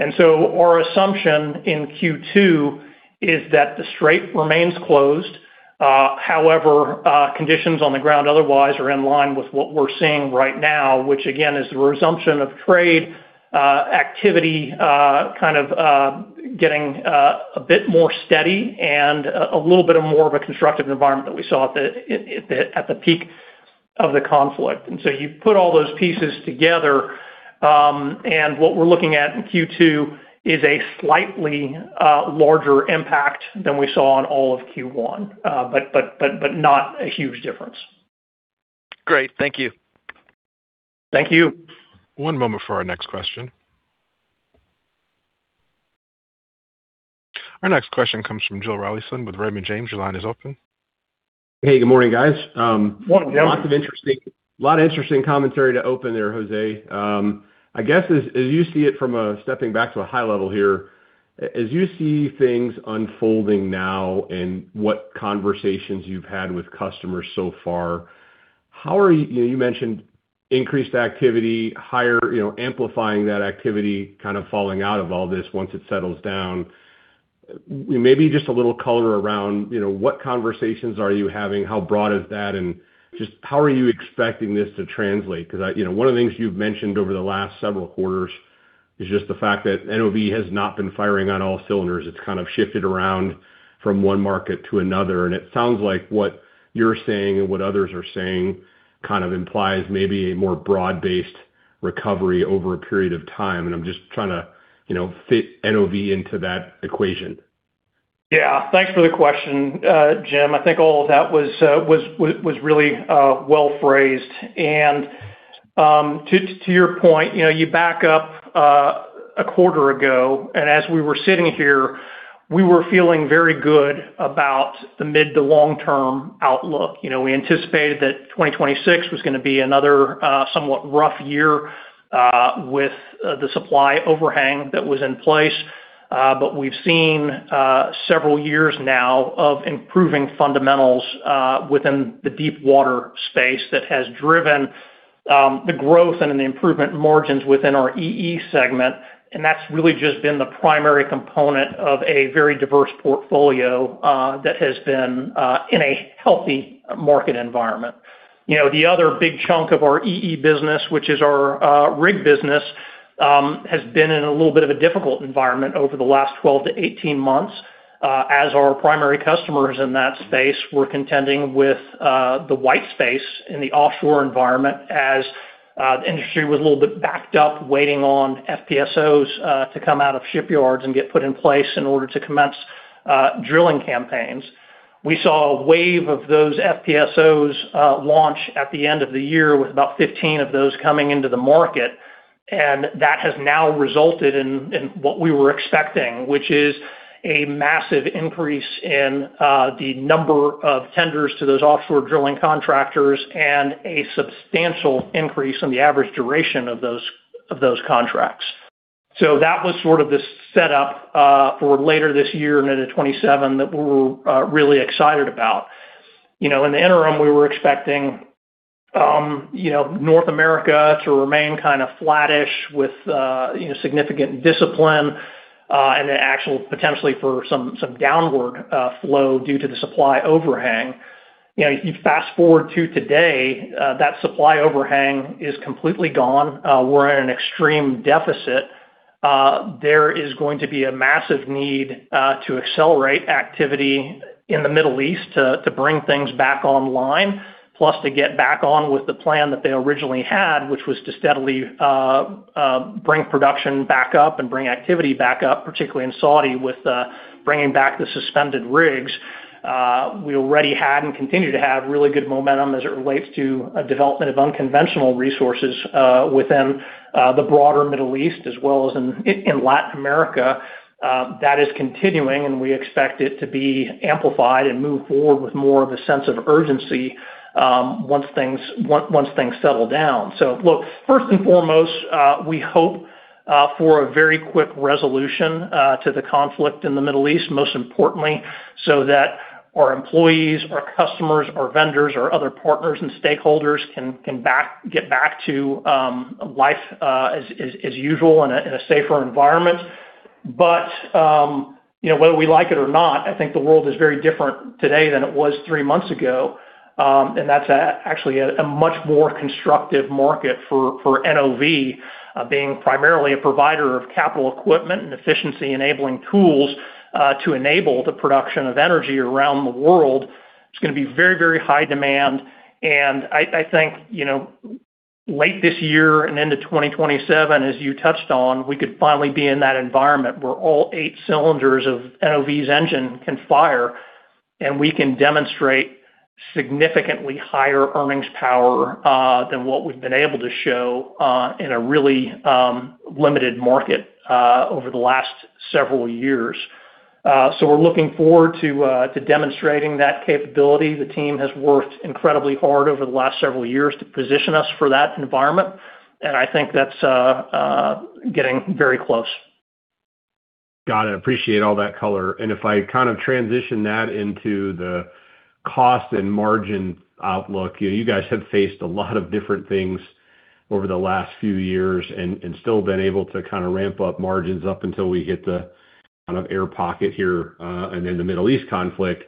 Our assumption in Q2 is that the strait remains closed. However, conditions on the ground otherwise are in line with what we're seeing right now, which again, is the resumption of trade activity, kind of getting a bit more steady and a little bit more of a constructive environment that we saw at the peak of the conflict. You put all those pieces together, and what we're looking at in Q2 is a slightly larger impact than we saw on all of Q1. But not a huge difference. Great. Thank you. Thank you. One moment for our next question. Our next question comes from Joe Rollyson with Raymond James. Your line is open. Hey, good morning, guys. Morning, Joe. Lot of interesting commentary to open there, Jose. I guess as you see it stepping back to a high level here, as you see things unfolding now and what conversations you've had with customers so far, you know, you mentioned increased activity, higher, you know, amplifying that activity kind of falling out of all this once it settles down. Maybe just a little color around, you know, what conversations are you having? How broad is that? And just how are you expecting this to translate? 'Cause, you know, one of the things you've mentioned over the last several quarters is just the fact that NOV has not been firing on all cylinders. It's kind of shifted around from one market to another. It sounds like what you're saying and what others are saying kind of implies maybe a more broad-based recovery over a period of time. I'm just trying to, you know, fit NOV into that equation. Yeah. Thanks for the question, Joe. I think all of that was really well-phrased. To your point, you know, you back up a quarter ago, and as we were sitting here, we were feeling very good about the mid to long-term outlook. You know, we anticipated that 2026 was gonna be another somewhat rough year with the supply overhang that was in place. We've seen several years now of improving fundamentals within the deepwater space that has driven the growth and the improvement margins within our EE segment, and that's really just been the primary component of a very diverse portfolio that has been in a healthy market environment. You know, the other big chunk of our EE business, which is our rig business, has been in a little bit of a difficult environment over the last 12 to 18 months, as our primary customers in that space were contending with the white space in the offshore environment as the industry was a little bit backed up waiting on FPSOs to come out of shipyards and get put in place in order to commence drilling campaigns. We saw a wave of those FPSOs launch at the end of the year with about 15 of those coming into the market, and that has now resulted in what we were expecting, which is a massive increase in the number of tenders to those offshore drilling contractors and a substantial increase in the average duration of those contracts. That was sort of the setup for later this year and into 2027 that we're really excited about. You know, in the interim, we were expecting, you know, North America to remain kind of flattish with, you know, significant discipline, and then actual potentially for some downward flow due to the supply overhang. You know, you fast-forward to today, that supply overhang is completely gone. We're in an extreme deficit. There is going to be a massive need to accelerate activity in the Middle East to bring things back online, plus to get back on with the plan that they originally had, which was to steadily bring production back up and bring activity back up, particularly in Saudi with bringing back the suspended rigs. We already had and continue to have really good momentum as it relates to a development of unconventional resources within the broader Middle East as well as in Latin America. That is continuing, and we expect it to be amplified and move forward with more of a sense of urgency once things settle down. Look, first and foremost, we hope for a very quick resolution to the conflict in the Middle East, most importantly, so that our employees, our customers, our vendors, our other partners and stakeholders can get back to life as usual in a safer environment. You know, whether we like it or not, I think the world is very different today than it was three months ago. That's actually a much more constructive market for NOV, being primarily a provider of capital equipment and efficiency-enabling tools, to enable the production of energy around the world. It's gonna be very, very high demand. I think, you know, late this year and into 2027, as you touched on, we could finally be in that environment where all eight cylinders of NOV's engine can fire, and we can demonstrate significantly higher earnings power than what we've been able to show in a really limited market over the last several years. We're looking forward to demonstrating that capability. The team has worked incredibly hard over the last several years to position us for that environment, and I think that's getting very close. Got it. Appreciate all that color. If I kind of transition that into the cost and margin outlook, you know, you guys have faced a lot of different things over the last few years and still been able to kind of ramp up margins up until we hit the kind of air pocket here, and then the Middle East conflict.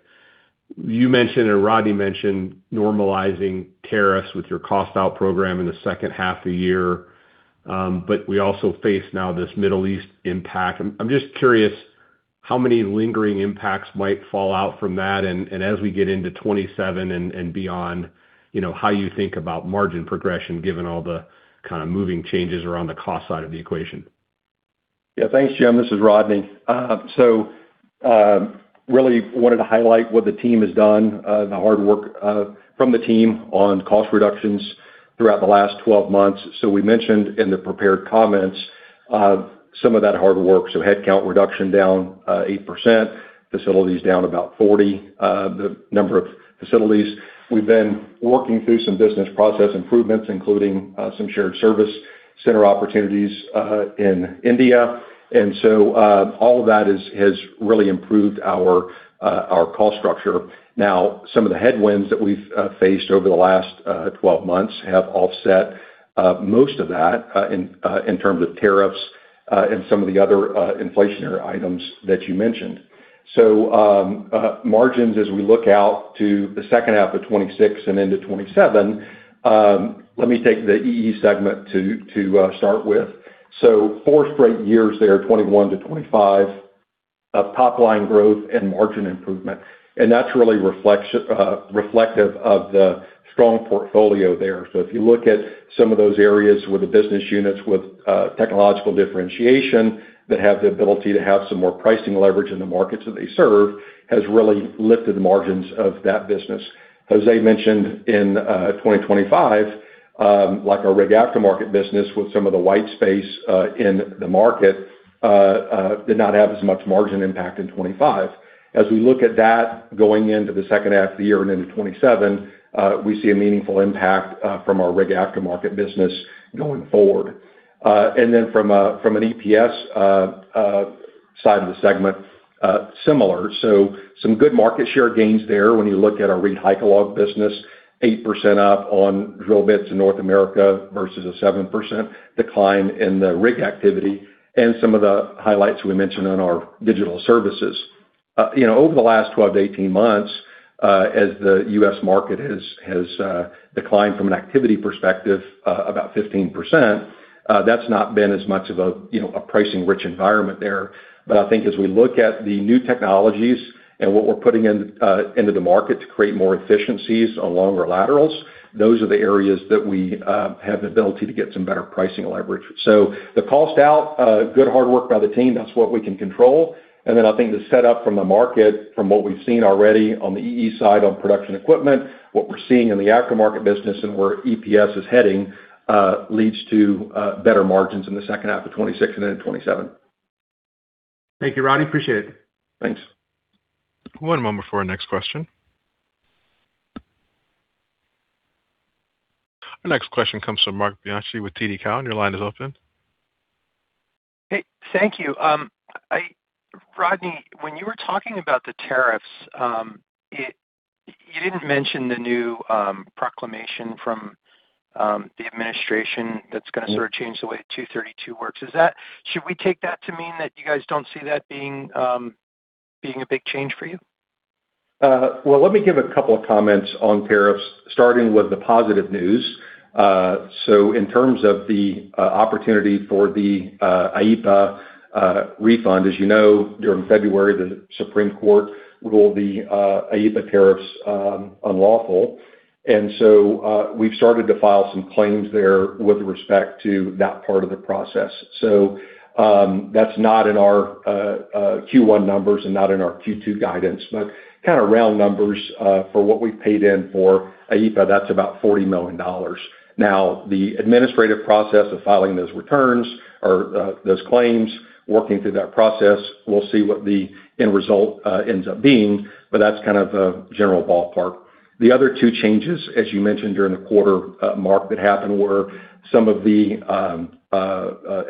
You mentioned and Rodney mentioned normalizing tariffs with your cost out program in the second half of the year. We also face now this Middle East impact. I'm just curious how many lingering impacts might fall out from that and as we get into 2027 and beyond, you know, how you think about margin progression given all the kind of moving changes around the cost side of the equation? Yeah. Thanks, Joe. This is Rodney. Really wanted to highlight what the team has done, the hard work, from the team on cost reductions throughout the last 12 months. We mentioned in the prepared comments, some of that hard work, so headcount reduction down, 8%, facilities down about 40, the number of facilities. We've been working through some business process improvements, including, some shared service center opportunities, in India. All of that has really improved our cost structure. Some of the headwinds that we've faced over the last 12 months have offset most of that in terms of tariffs, and some of the other inflationary items that you mentioned. Margins as we look out to the second half of 2026 and into 2027, let me take the EE segment to start with. Four straight years there, 2021 to 2025, of top line growth and margin improvement. That's really reflective of the strong portfolio there. If you look at some of those areas where the business units with technological differentiation that have the ability to have some more pricing leverage in the markets that they serve has really lifted the margins of that business. Jose mentioned in 2025, like our rig aftermarket business with some of the white space in the market did not have as much margin impact in 2025. As we look at that going into the second half of the year and into 2027, we see a meaningful impact from our rig aftermarket business going forward. From a, from an EPS side of the segment, similar. Some good market share gains there when you look at our ReedHycalog business, 8% up on drill bits in North America versus a 7% decline in the rig activity and some of the highlights we mentioned on our digital services. You know, over the last 12 to 18 months, as the U.S. market has declined from an activity perspective, about 15%, that's not been as much of a, you know, a pricing rich environment there. I think as we look at the new technologies and what we're putting in into the market to create more efficiencies along our laterals, those are the areas that we have the ability to get some better pricing leverage. The cost out, good hard work by the team, that's what we can control. I think the set up from the market from what we've seen already on the EE side on production equipment, what we're seeing in the aftermarket business and where EPS is heading, leads to better margins in the second half of 2026 and then in 2027. Thank you, Rodney. Appreciate it. Thanks. One moment before our next question. Our next question comes from Marc Bianchi with TD Cowen. Your line is open. Hey, thank you. Rodney, when you were talking about the tariffs, you didn't mention the new proclamation from the administration that's gonna sort of change the way 232 works. Should we take that to mean that you guys don't see that being a big change for you? Well, let me give a couple of comments on tariffs, starting with the positive news. In terms of the opportunity for the IEEPA refund, as you know, during February, the Supreme Court ruled the IEEPA tariffs unlawful. We've started to file some claims there with respect to that part of the process. That's not in our Q1 numbers and not in our Q2 guidance. Round numbers, for what we paid in for IEEPA, that's about $40 million. Now, the administrative process of filing those returns or those claims, working through that process, we'll see what the end result ends up being, but that's a general ballpark. The other two changes, as you mentioned during the quarter, Marc, that happened were some of the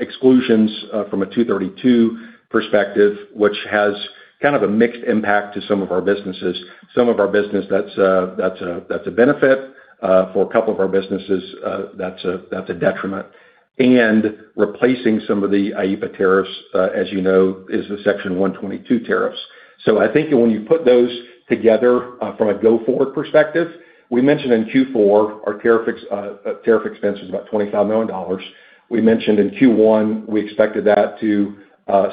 exclusions from a 232 perspective, which has kind of a mixed impact to some of our businesses. Some of our business that's a benefit. For a couple of our businesses, that's a detriment. Replacing some of the IEEPA tariffs, as you know, is the Section 122 tariffs. I think when you put those together from a go-forward perspective, we mentioned in Q4 our tariff expense was about $25 million. We mentioned in Q1 we expected that to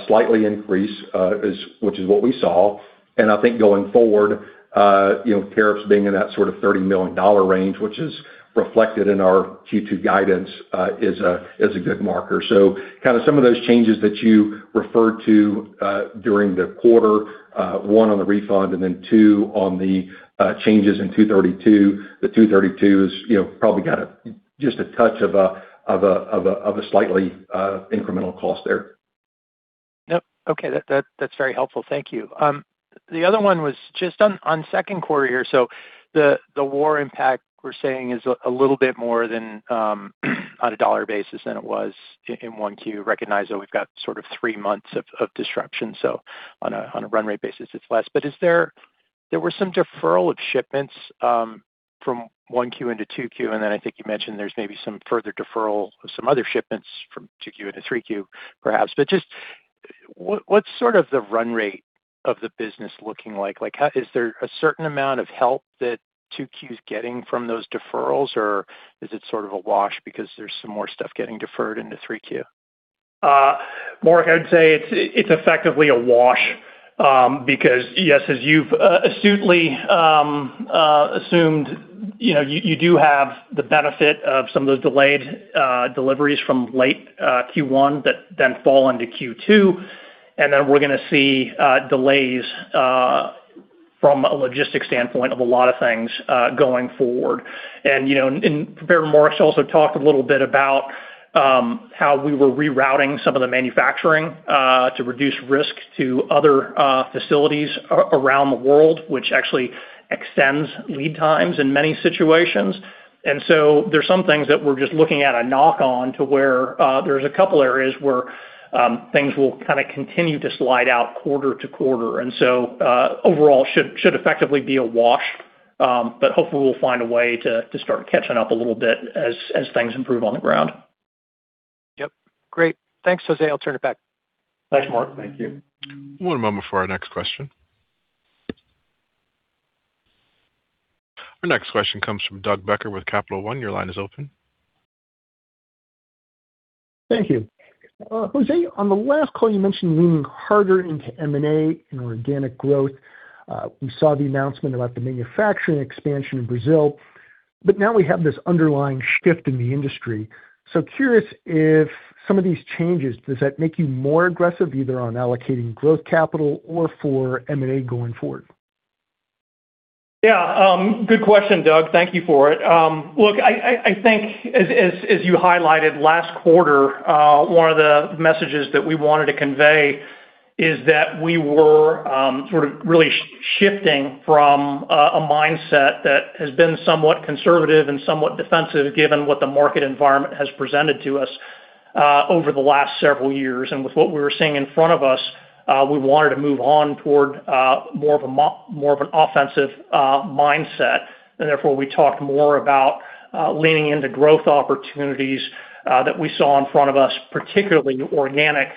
slightly increase, which is what we saw. I think going forward, you know, tariffs being in that sort of $30 million range, which is reflected in our Q2 guidance, is a, is a good marker. Kinda some of those changes that you referred to during the quarter, one on the refund and then two on the changes in 232. The 232 is, you know, probably got a, just a touch of a slightly incremental cost there. Yep. Okay. That's very helpful. Thank you. The other one was just on second quarter here. The war impact we're saying is a little bit more than on a dollar basis than it was in 1Q. Recognize that we've got sort of three months of disruption, so on a run rate basis it's less. There were some deferral of shipments from 1Q into 2Q. I think you mentioned there's maybe some further deferral of some other shipments from 2Q into 3Q perhaps. What's sort of the run rate of the business looking like? Like is there a certain amount of help that 2Q is getting from those deferrals or is it sort of a wash because there's some more stuff getting deferred into 3Q? Marc, I'd say it's effectively a wash, because yes, as you've astutely assumed, you do have the benefit of some of those delayed deliveries from late Q1 that then fall into Q2. We're going to see delays from a logistics standpoint of a lot of things going forward. And you know, [Barry Morris] also talked a little bit about how we were rerouting some of the manufacturing to reduce risk to other facilities around the world, which actually extends lead times in many situations. There's some things that we're just looking at a knock on to where there's a couple areas where things will kind of continue to slide out quarter to quarter. Overall should effectively be a wash. Hopefully we'll find a way to start catching up a little bit as things improve on the ground. Yep. Great. Thanks, Jose. I'll turn it back. Thanks, Marc. Thank you. One moment for our next question. Our next question comes from Doug Becker with Capital One. Your line is open. Thank you. Jose, on the last call, you mentioned leaning harder into M&A and organic growth. We saw the announcement about the manufacturing expansion in Brazil, but now we have this underlying shift in the industry. Curious if some of these changes, does that make you more aggressive either on allocating growth capital or for M&A going forward? Yeah. Good question, Doug. Thank you for it. Look, I think as you highlighted last quarter, one of the messages that we wanted to convey is that we were sort of really shifting from a mindset that has been somewhat conservative and somewhat defensive, given what the market environment has presented to us over the last several years. With what we were seeing in front of us, we wanted to move on toward more of an offensive mindset. Therefore, we talked more about leaning into growth opportunities that we saw in front of us, particularly organic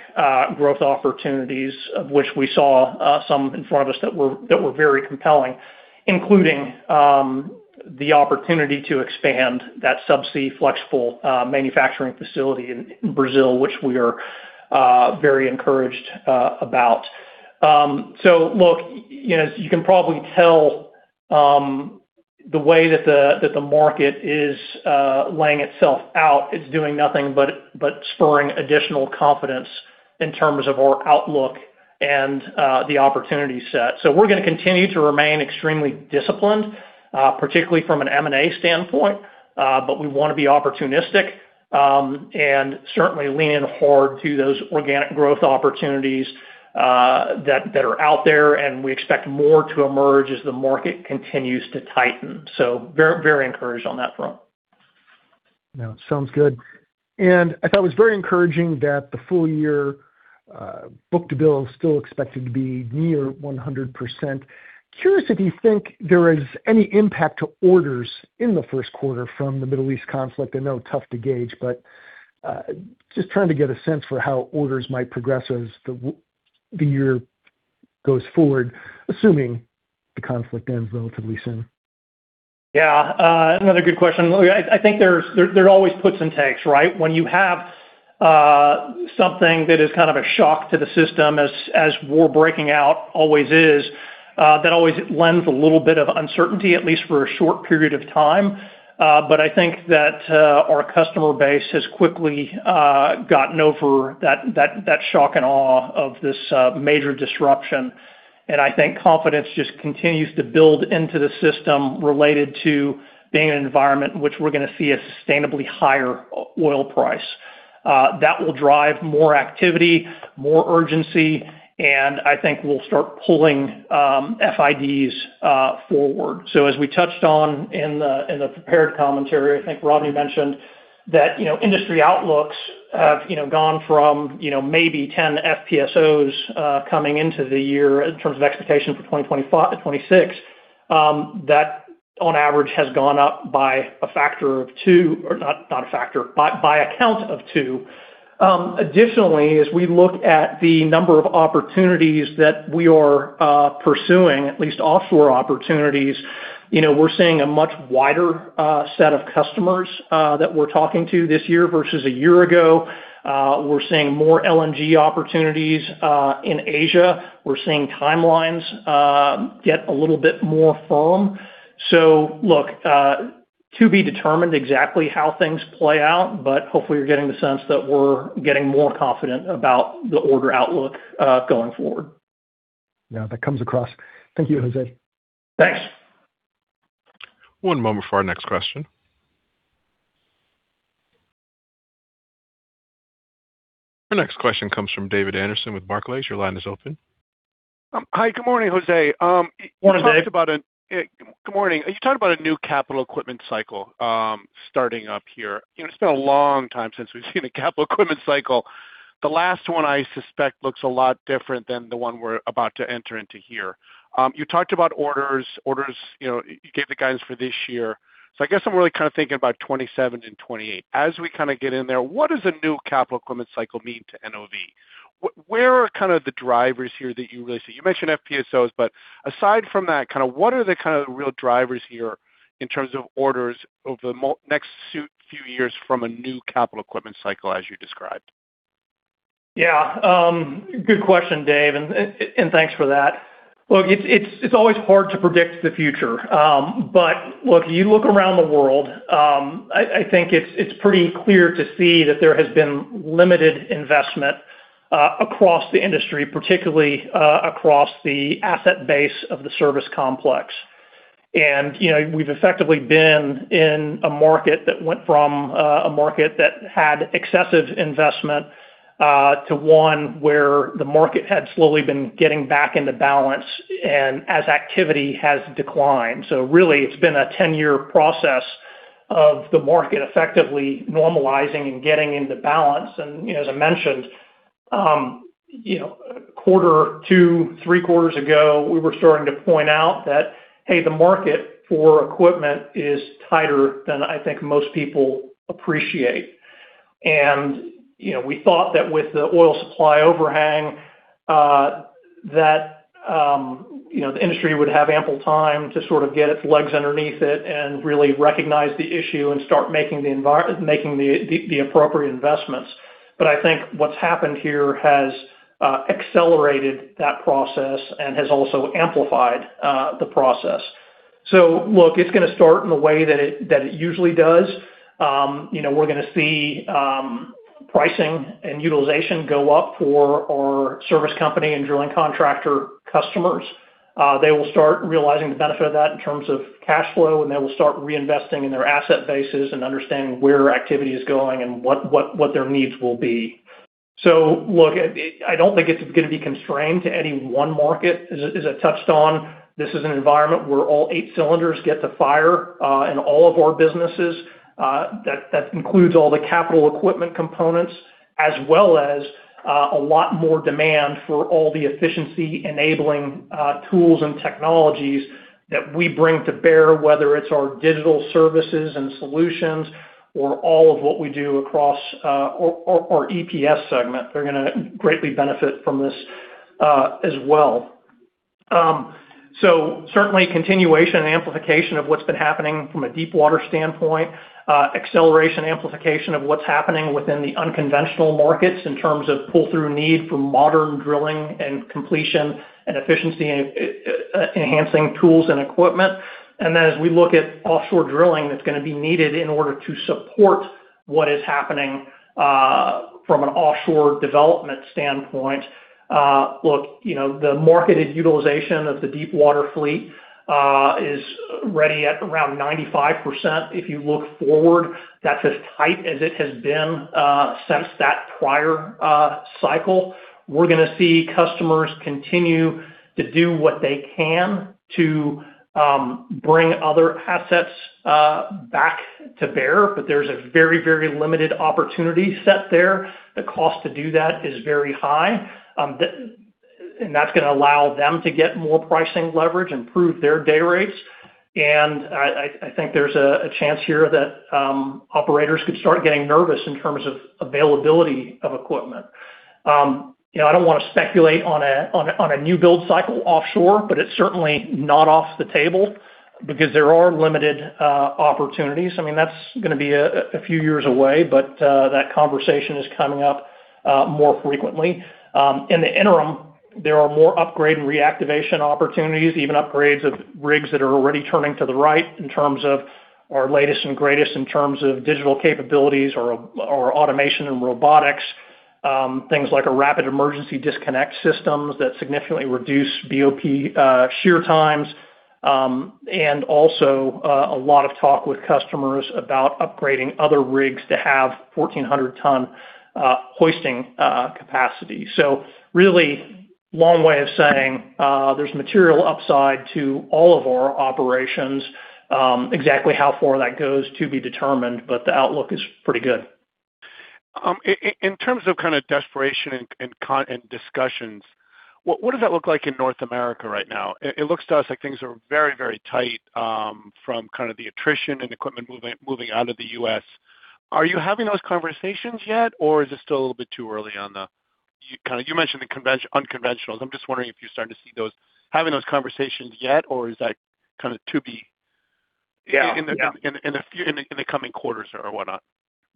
growth opportunities, of which we saw some in front of us that were very compelling, including the opportunity to expand that subsea flexible manufacturing facility in Brazil, which we are very encouraged about. Look, you know, as you can probably tell, the way that the market is laying itself out, it's doing nothing but spurring additional confidence in terms of our outlook and the opportunity set. We're gonna continue to remain extremely disciplined, particularly from an M&A standpoint. We want to be opportunistic, and certainly lean in hard to those organic growth opportunities that are out there, and we expect more to emerge as the market continues to tighten. Very encouraged on that front. No, it sounds good. I thought it was very encouraging that the full year book to bill is still expected to be near 100%. Curious if you think there is any impact to orders in the first quarter from the Middle East conflict. I know, tough to gauge, but just trying to get a sense for how orders might progress as the year goes forward, assuming the conflict ends relatively soon. Yeah. Another good question. Look, I think there are always puts and takes, right? When you have something that is kind of a shock to the system as war breaking out always is, that always lends a little bit of uncertainty, at least for a short period of time. But I think that our customer base has quickly gotten over that shock and awe of this major disruption. I think confidence just continues to build into the system related to being in an environment in which we're gonna see a sustainably higher oil price. That will drive more activity, more urgency, and I think we'll start pulling FIDs forward. As we touched on in the, in the prepared commentary, I think Rodney mentioned that, you know, industry outlooks have, you know, gone from, you know, maybe 10 FPSOs coming into the year in terms of expectations for 2025 to 2026. That on average has gone up by a factor of two, or not a factor, by a count of two. Additionally, as we look at the number of opportunities that we are pursuing, at least offshore opportunities, you know, we're seeing a much wider set of customers that we're talking to this year versus a year ago. We're seeing more LNG opportunities in Asia. We're seeing timelines get a little bit more firm. Look, to be determined exactly how things play out, but hopefully you're getting the sense that we're getting more confident about the order outlook, going forward. Yeah, that comes across. Thank you, Jose. Thanks. One moment for our next question. Our next question comes from David Anderson with Barclays. Your line is open. Hi. Good morning, Jose. Morning, Dave. Good morning. You talked about a new capital equipment cycle starting up here. You know, it's been a long time since we've seen a capital equipment cycle. The last one I suspect looks a lot different than the one we're about to enter into here. You talked about orders. Orders, you know, you gave the guidance for this year. I guess I'm really kind of thinking about 2027 and 2028. As we kind of get in there, what does a new capital equipment cycle mean to NOV? Where are kind of the drivers here that you really see? You mentioned FPSOs, aside from that, kind of what are the kind of real drivers here in terms of orders over the next few years from a new capital equipment cycle as you described? Good question, Dave, and thanks for that. It's always hard to predict the future. You look around the world, I think it's pretty clear to see that there has been limited investment across the industry, particularly across the asset base of the service complex. You know, we've effectively been in a market that went from a market that had excessive investment to one where the market had slowly been getting back into balance and as activity has declined. Really it's been a 10-year process of the market effectively normalizing and getting into balance. You know, as I mentioned, you know, quarter two, three quarters ago, we were starting to point out that the market for equipment is tighter than I think most people appreciate. You know, we thought that with the oil supply overhang, you know, the industry would have ample time to sort of get its legs underneath it and really recognize the issue and start making the appropriate investments. I think what's happened here has accelerated that process and has also amplified the process. look, it's gonna start in the way that it usually does. you know, we're gonna see pricing and utilization go up for our service company and drilling contractor customers. they will start realizing the benefit of that in terms of cash flow, and they will start reinvesting in their asset bases and understanding where activity is going and what their needs will be. look, I don't think it's gonna be constrained to any one market. As I touched on, this is an environment where all eight cylinders get to fire in all of our businesses that includes all the capital equipment components as well as a lot more demand for all the efficiency-enabling tools and technologies that we bring to bear, whether it's our digital services and solutions or our EPS segment. They're gonna greatly benefit from this as well. Certainly continuation and amplification of what's been happening from a deepwater standpoint. Acceleration amplification of what's happening within the unconventional markets in terms of pull-through need for modern drilling and completion and efficiency enhancing tools and equipment. As we look at offshore drilling, that's gonna be needed in order to support what is happening from an offshore development standpoint. Look, you know, the marketed utilization of the deepwater fleet is ready at around 95%. If you look forward, that's as tight as it has been since that prior cycle. We're gonna see customers continue to do what they can to bring other assets back to bear, but there's a very, very limited opportunity set there. The cost to do that is very high. That's gonna allow them to get more pricing leverage, improve their day rates. I think there's a chance here that operators could start getting nervous in terms of availability of equipment. You know, I don't wanna speculate on a, on a, on a new build cycle offshore, but it's certainly not off the table because there are limited opportunities. I mean, that's going to be a few years away, but that conversation is coming up more frequently. In the interim, there are more upgrade and reactivation opportunities, even upgrades of rigs that are already turning to the right in terms of our latest and greatest in terms of digital capabilities or automation and robotics. Things like a Rapid Emergency Disconnect System that significantly reduce BOP shear times. And also, a lot of talk with customers about upgrading other rigs to have 1,400 ton hoisting capacity. Really long way of saying, there's material upside to all of our operations. Exactly how far that goes is to be determined, but the outlook is pretty good. In terms of kind of desperation and discussions, what does that look like in North America right now? It looks to us like things are very, very tight, from kind of the attrition and equipment moving out of the U.S. Are you having those conversations yet, or is it still a little bit too early on the unconventionals? I'm just wondering if you're starting to see those, having those conversations yet. Yeah. In the coming quarters or whatnot?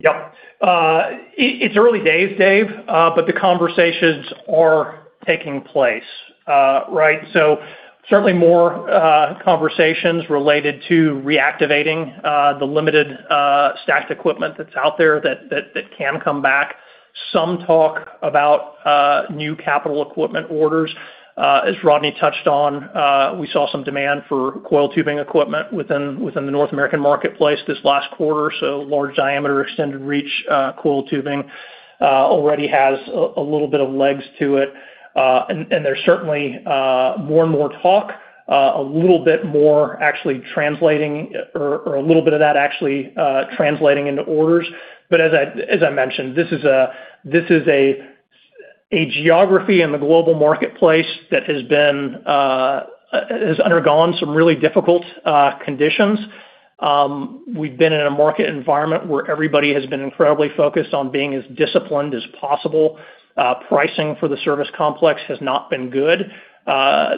It's early days, Dave, the conversations are taking place. Right. Certainly more conversations related to reactivating the limited stacked equipment that's out there that can come back. Some talk about new capital equipment orders. As Rodney touched on, we saw some demand for coil tubing equipment within the North American marketplace this last quarter. Large diameter extended reach coil tubing already has a little bit of legs to it. And there's certainly more and more talk, a little bit more actually translating or a little bit of that actually translating into orders. As I mentioned, this is a geography in the global marketplace that has undergone some really difficult conditions. We've been in a market environment where everybody has been incredibly focused on being as disciplined as possible. Pricing for the service complex has not been good.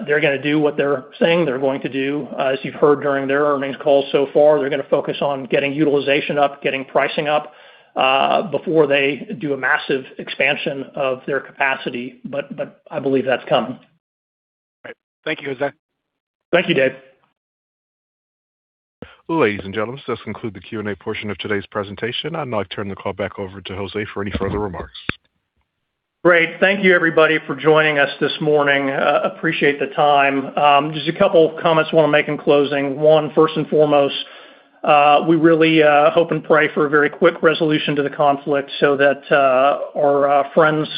They're gonna do what they're saying they're going to do. As you've heard during their earnings call so far, they're gonna focus on getting utilization up, getting pricing up, before they do a massive expansion of their capacity. I believe that's coming. All right. Thank you, Jose. Thank you, Dave. Ladies and gentlemen, this concludes the Q&A portion of today's presentation. I'd now like to turn the call back over to Jose for any further remarks. Great. Thank you everybody for joining us this morning. Appreciate the time. Just a couple of comments I wanna make in closing. One, first and foremost, we really hope and pray for a very quick resolution to the conflict so that our friends,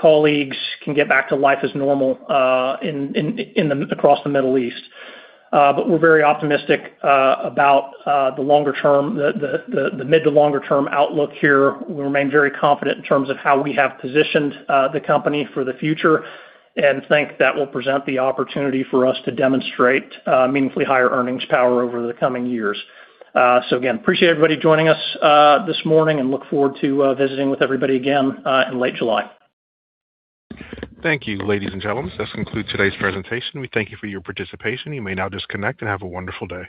colleagues can get back to life as normal across the Middle East. We're very optimistic about the longer term, the mid to longer term outlook here. We remain very confident in terms of how we have positioned the company for the future and think that will present the opportunity for us to demonstrate meaningfully higher earnings power over the coming years. Again, appreciate everybody joining us this morning and look forward to visiting with everybody again in late July. Thank you. Ladies and gentlemen, this concludes today's presentation. We thank you for your participation. You may now disconnect and have a wonderful day.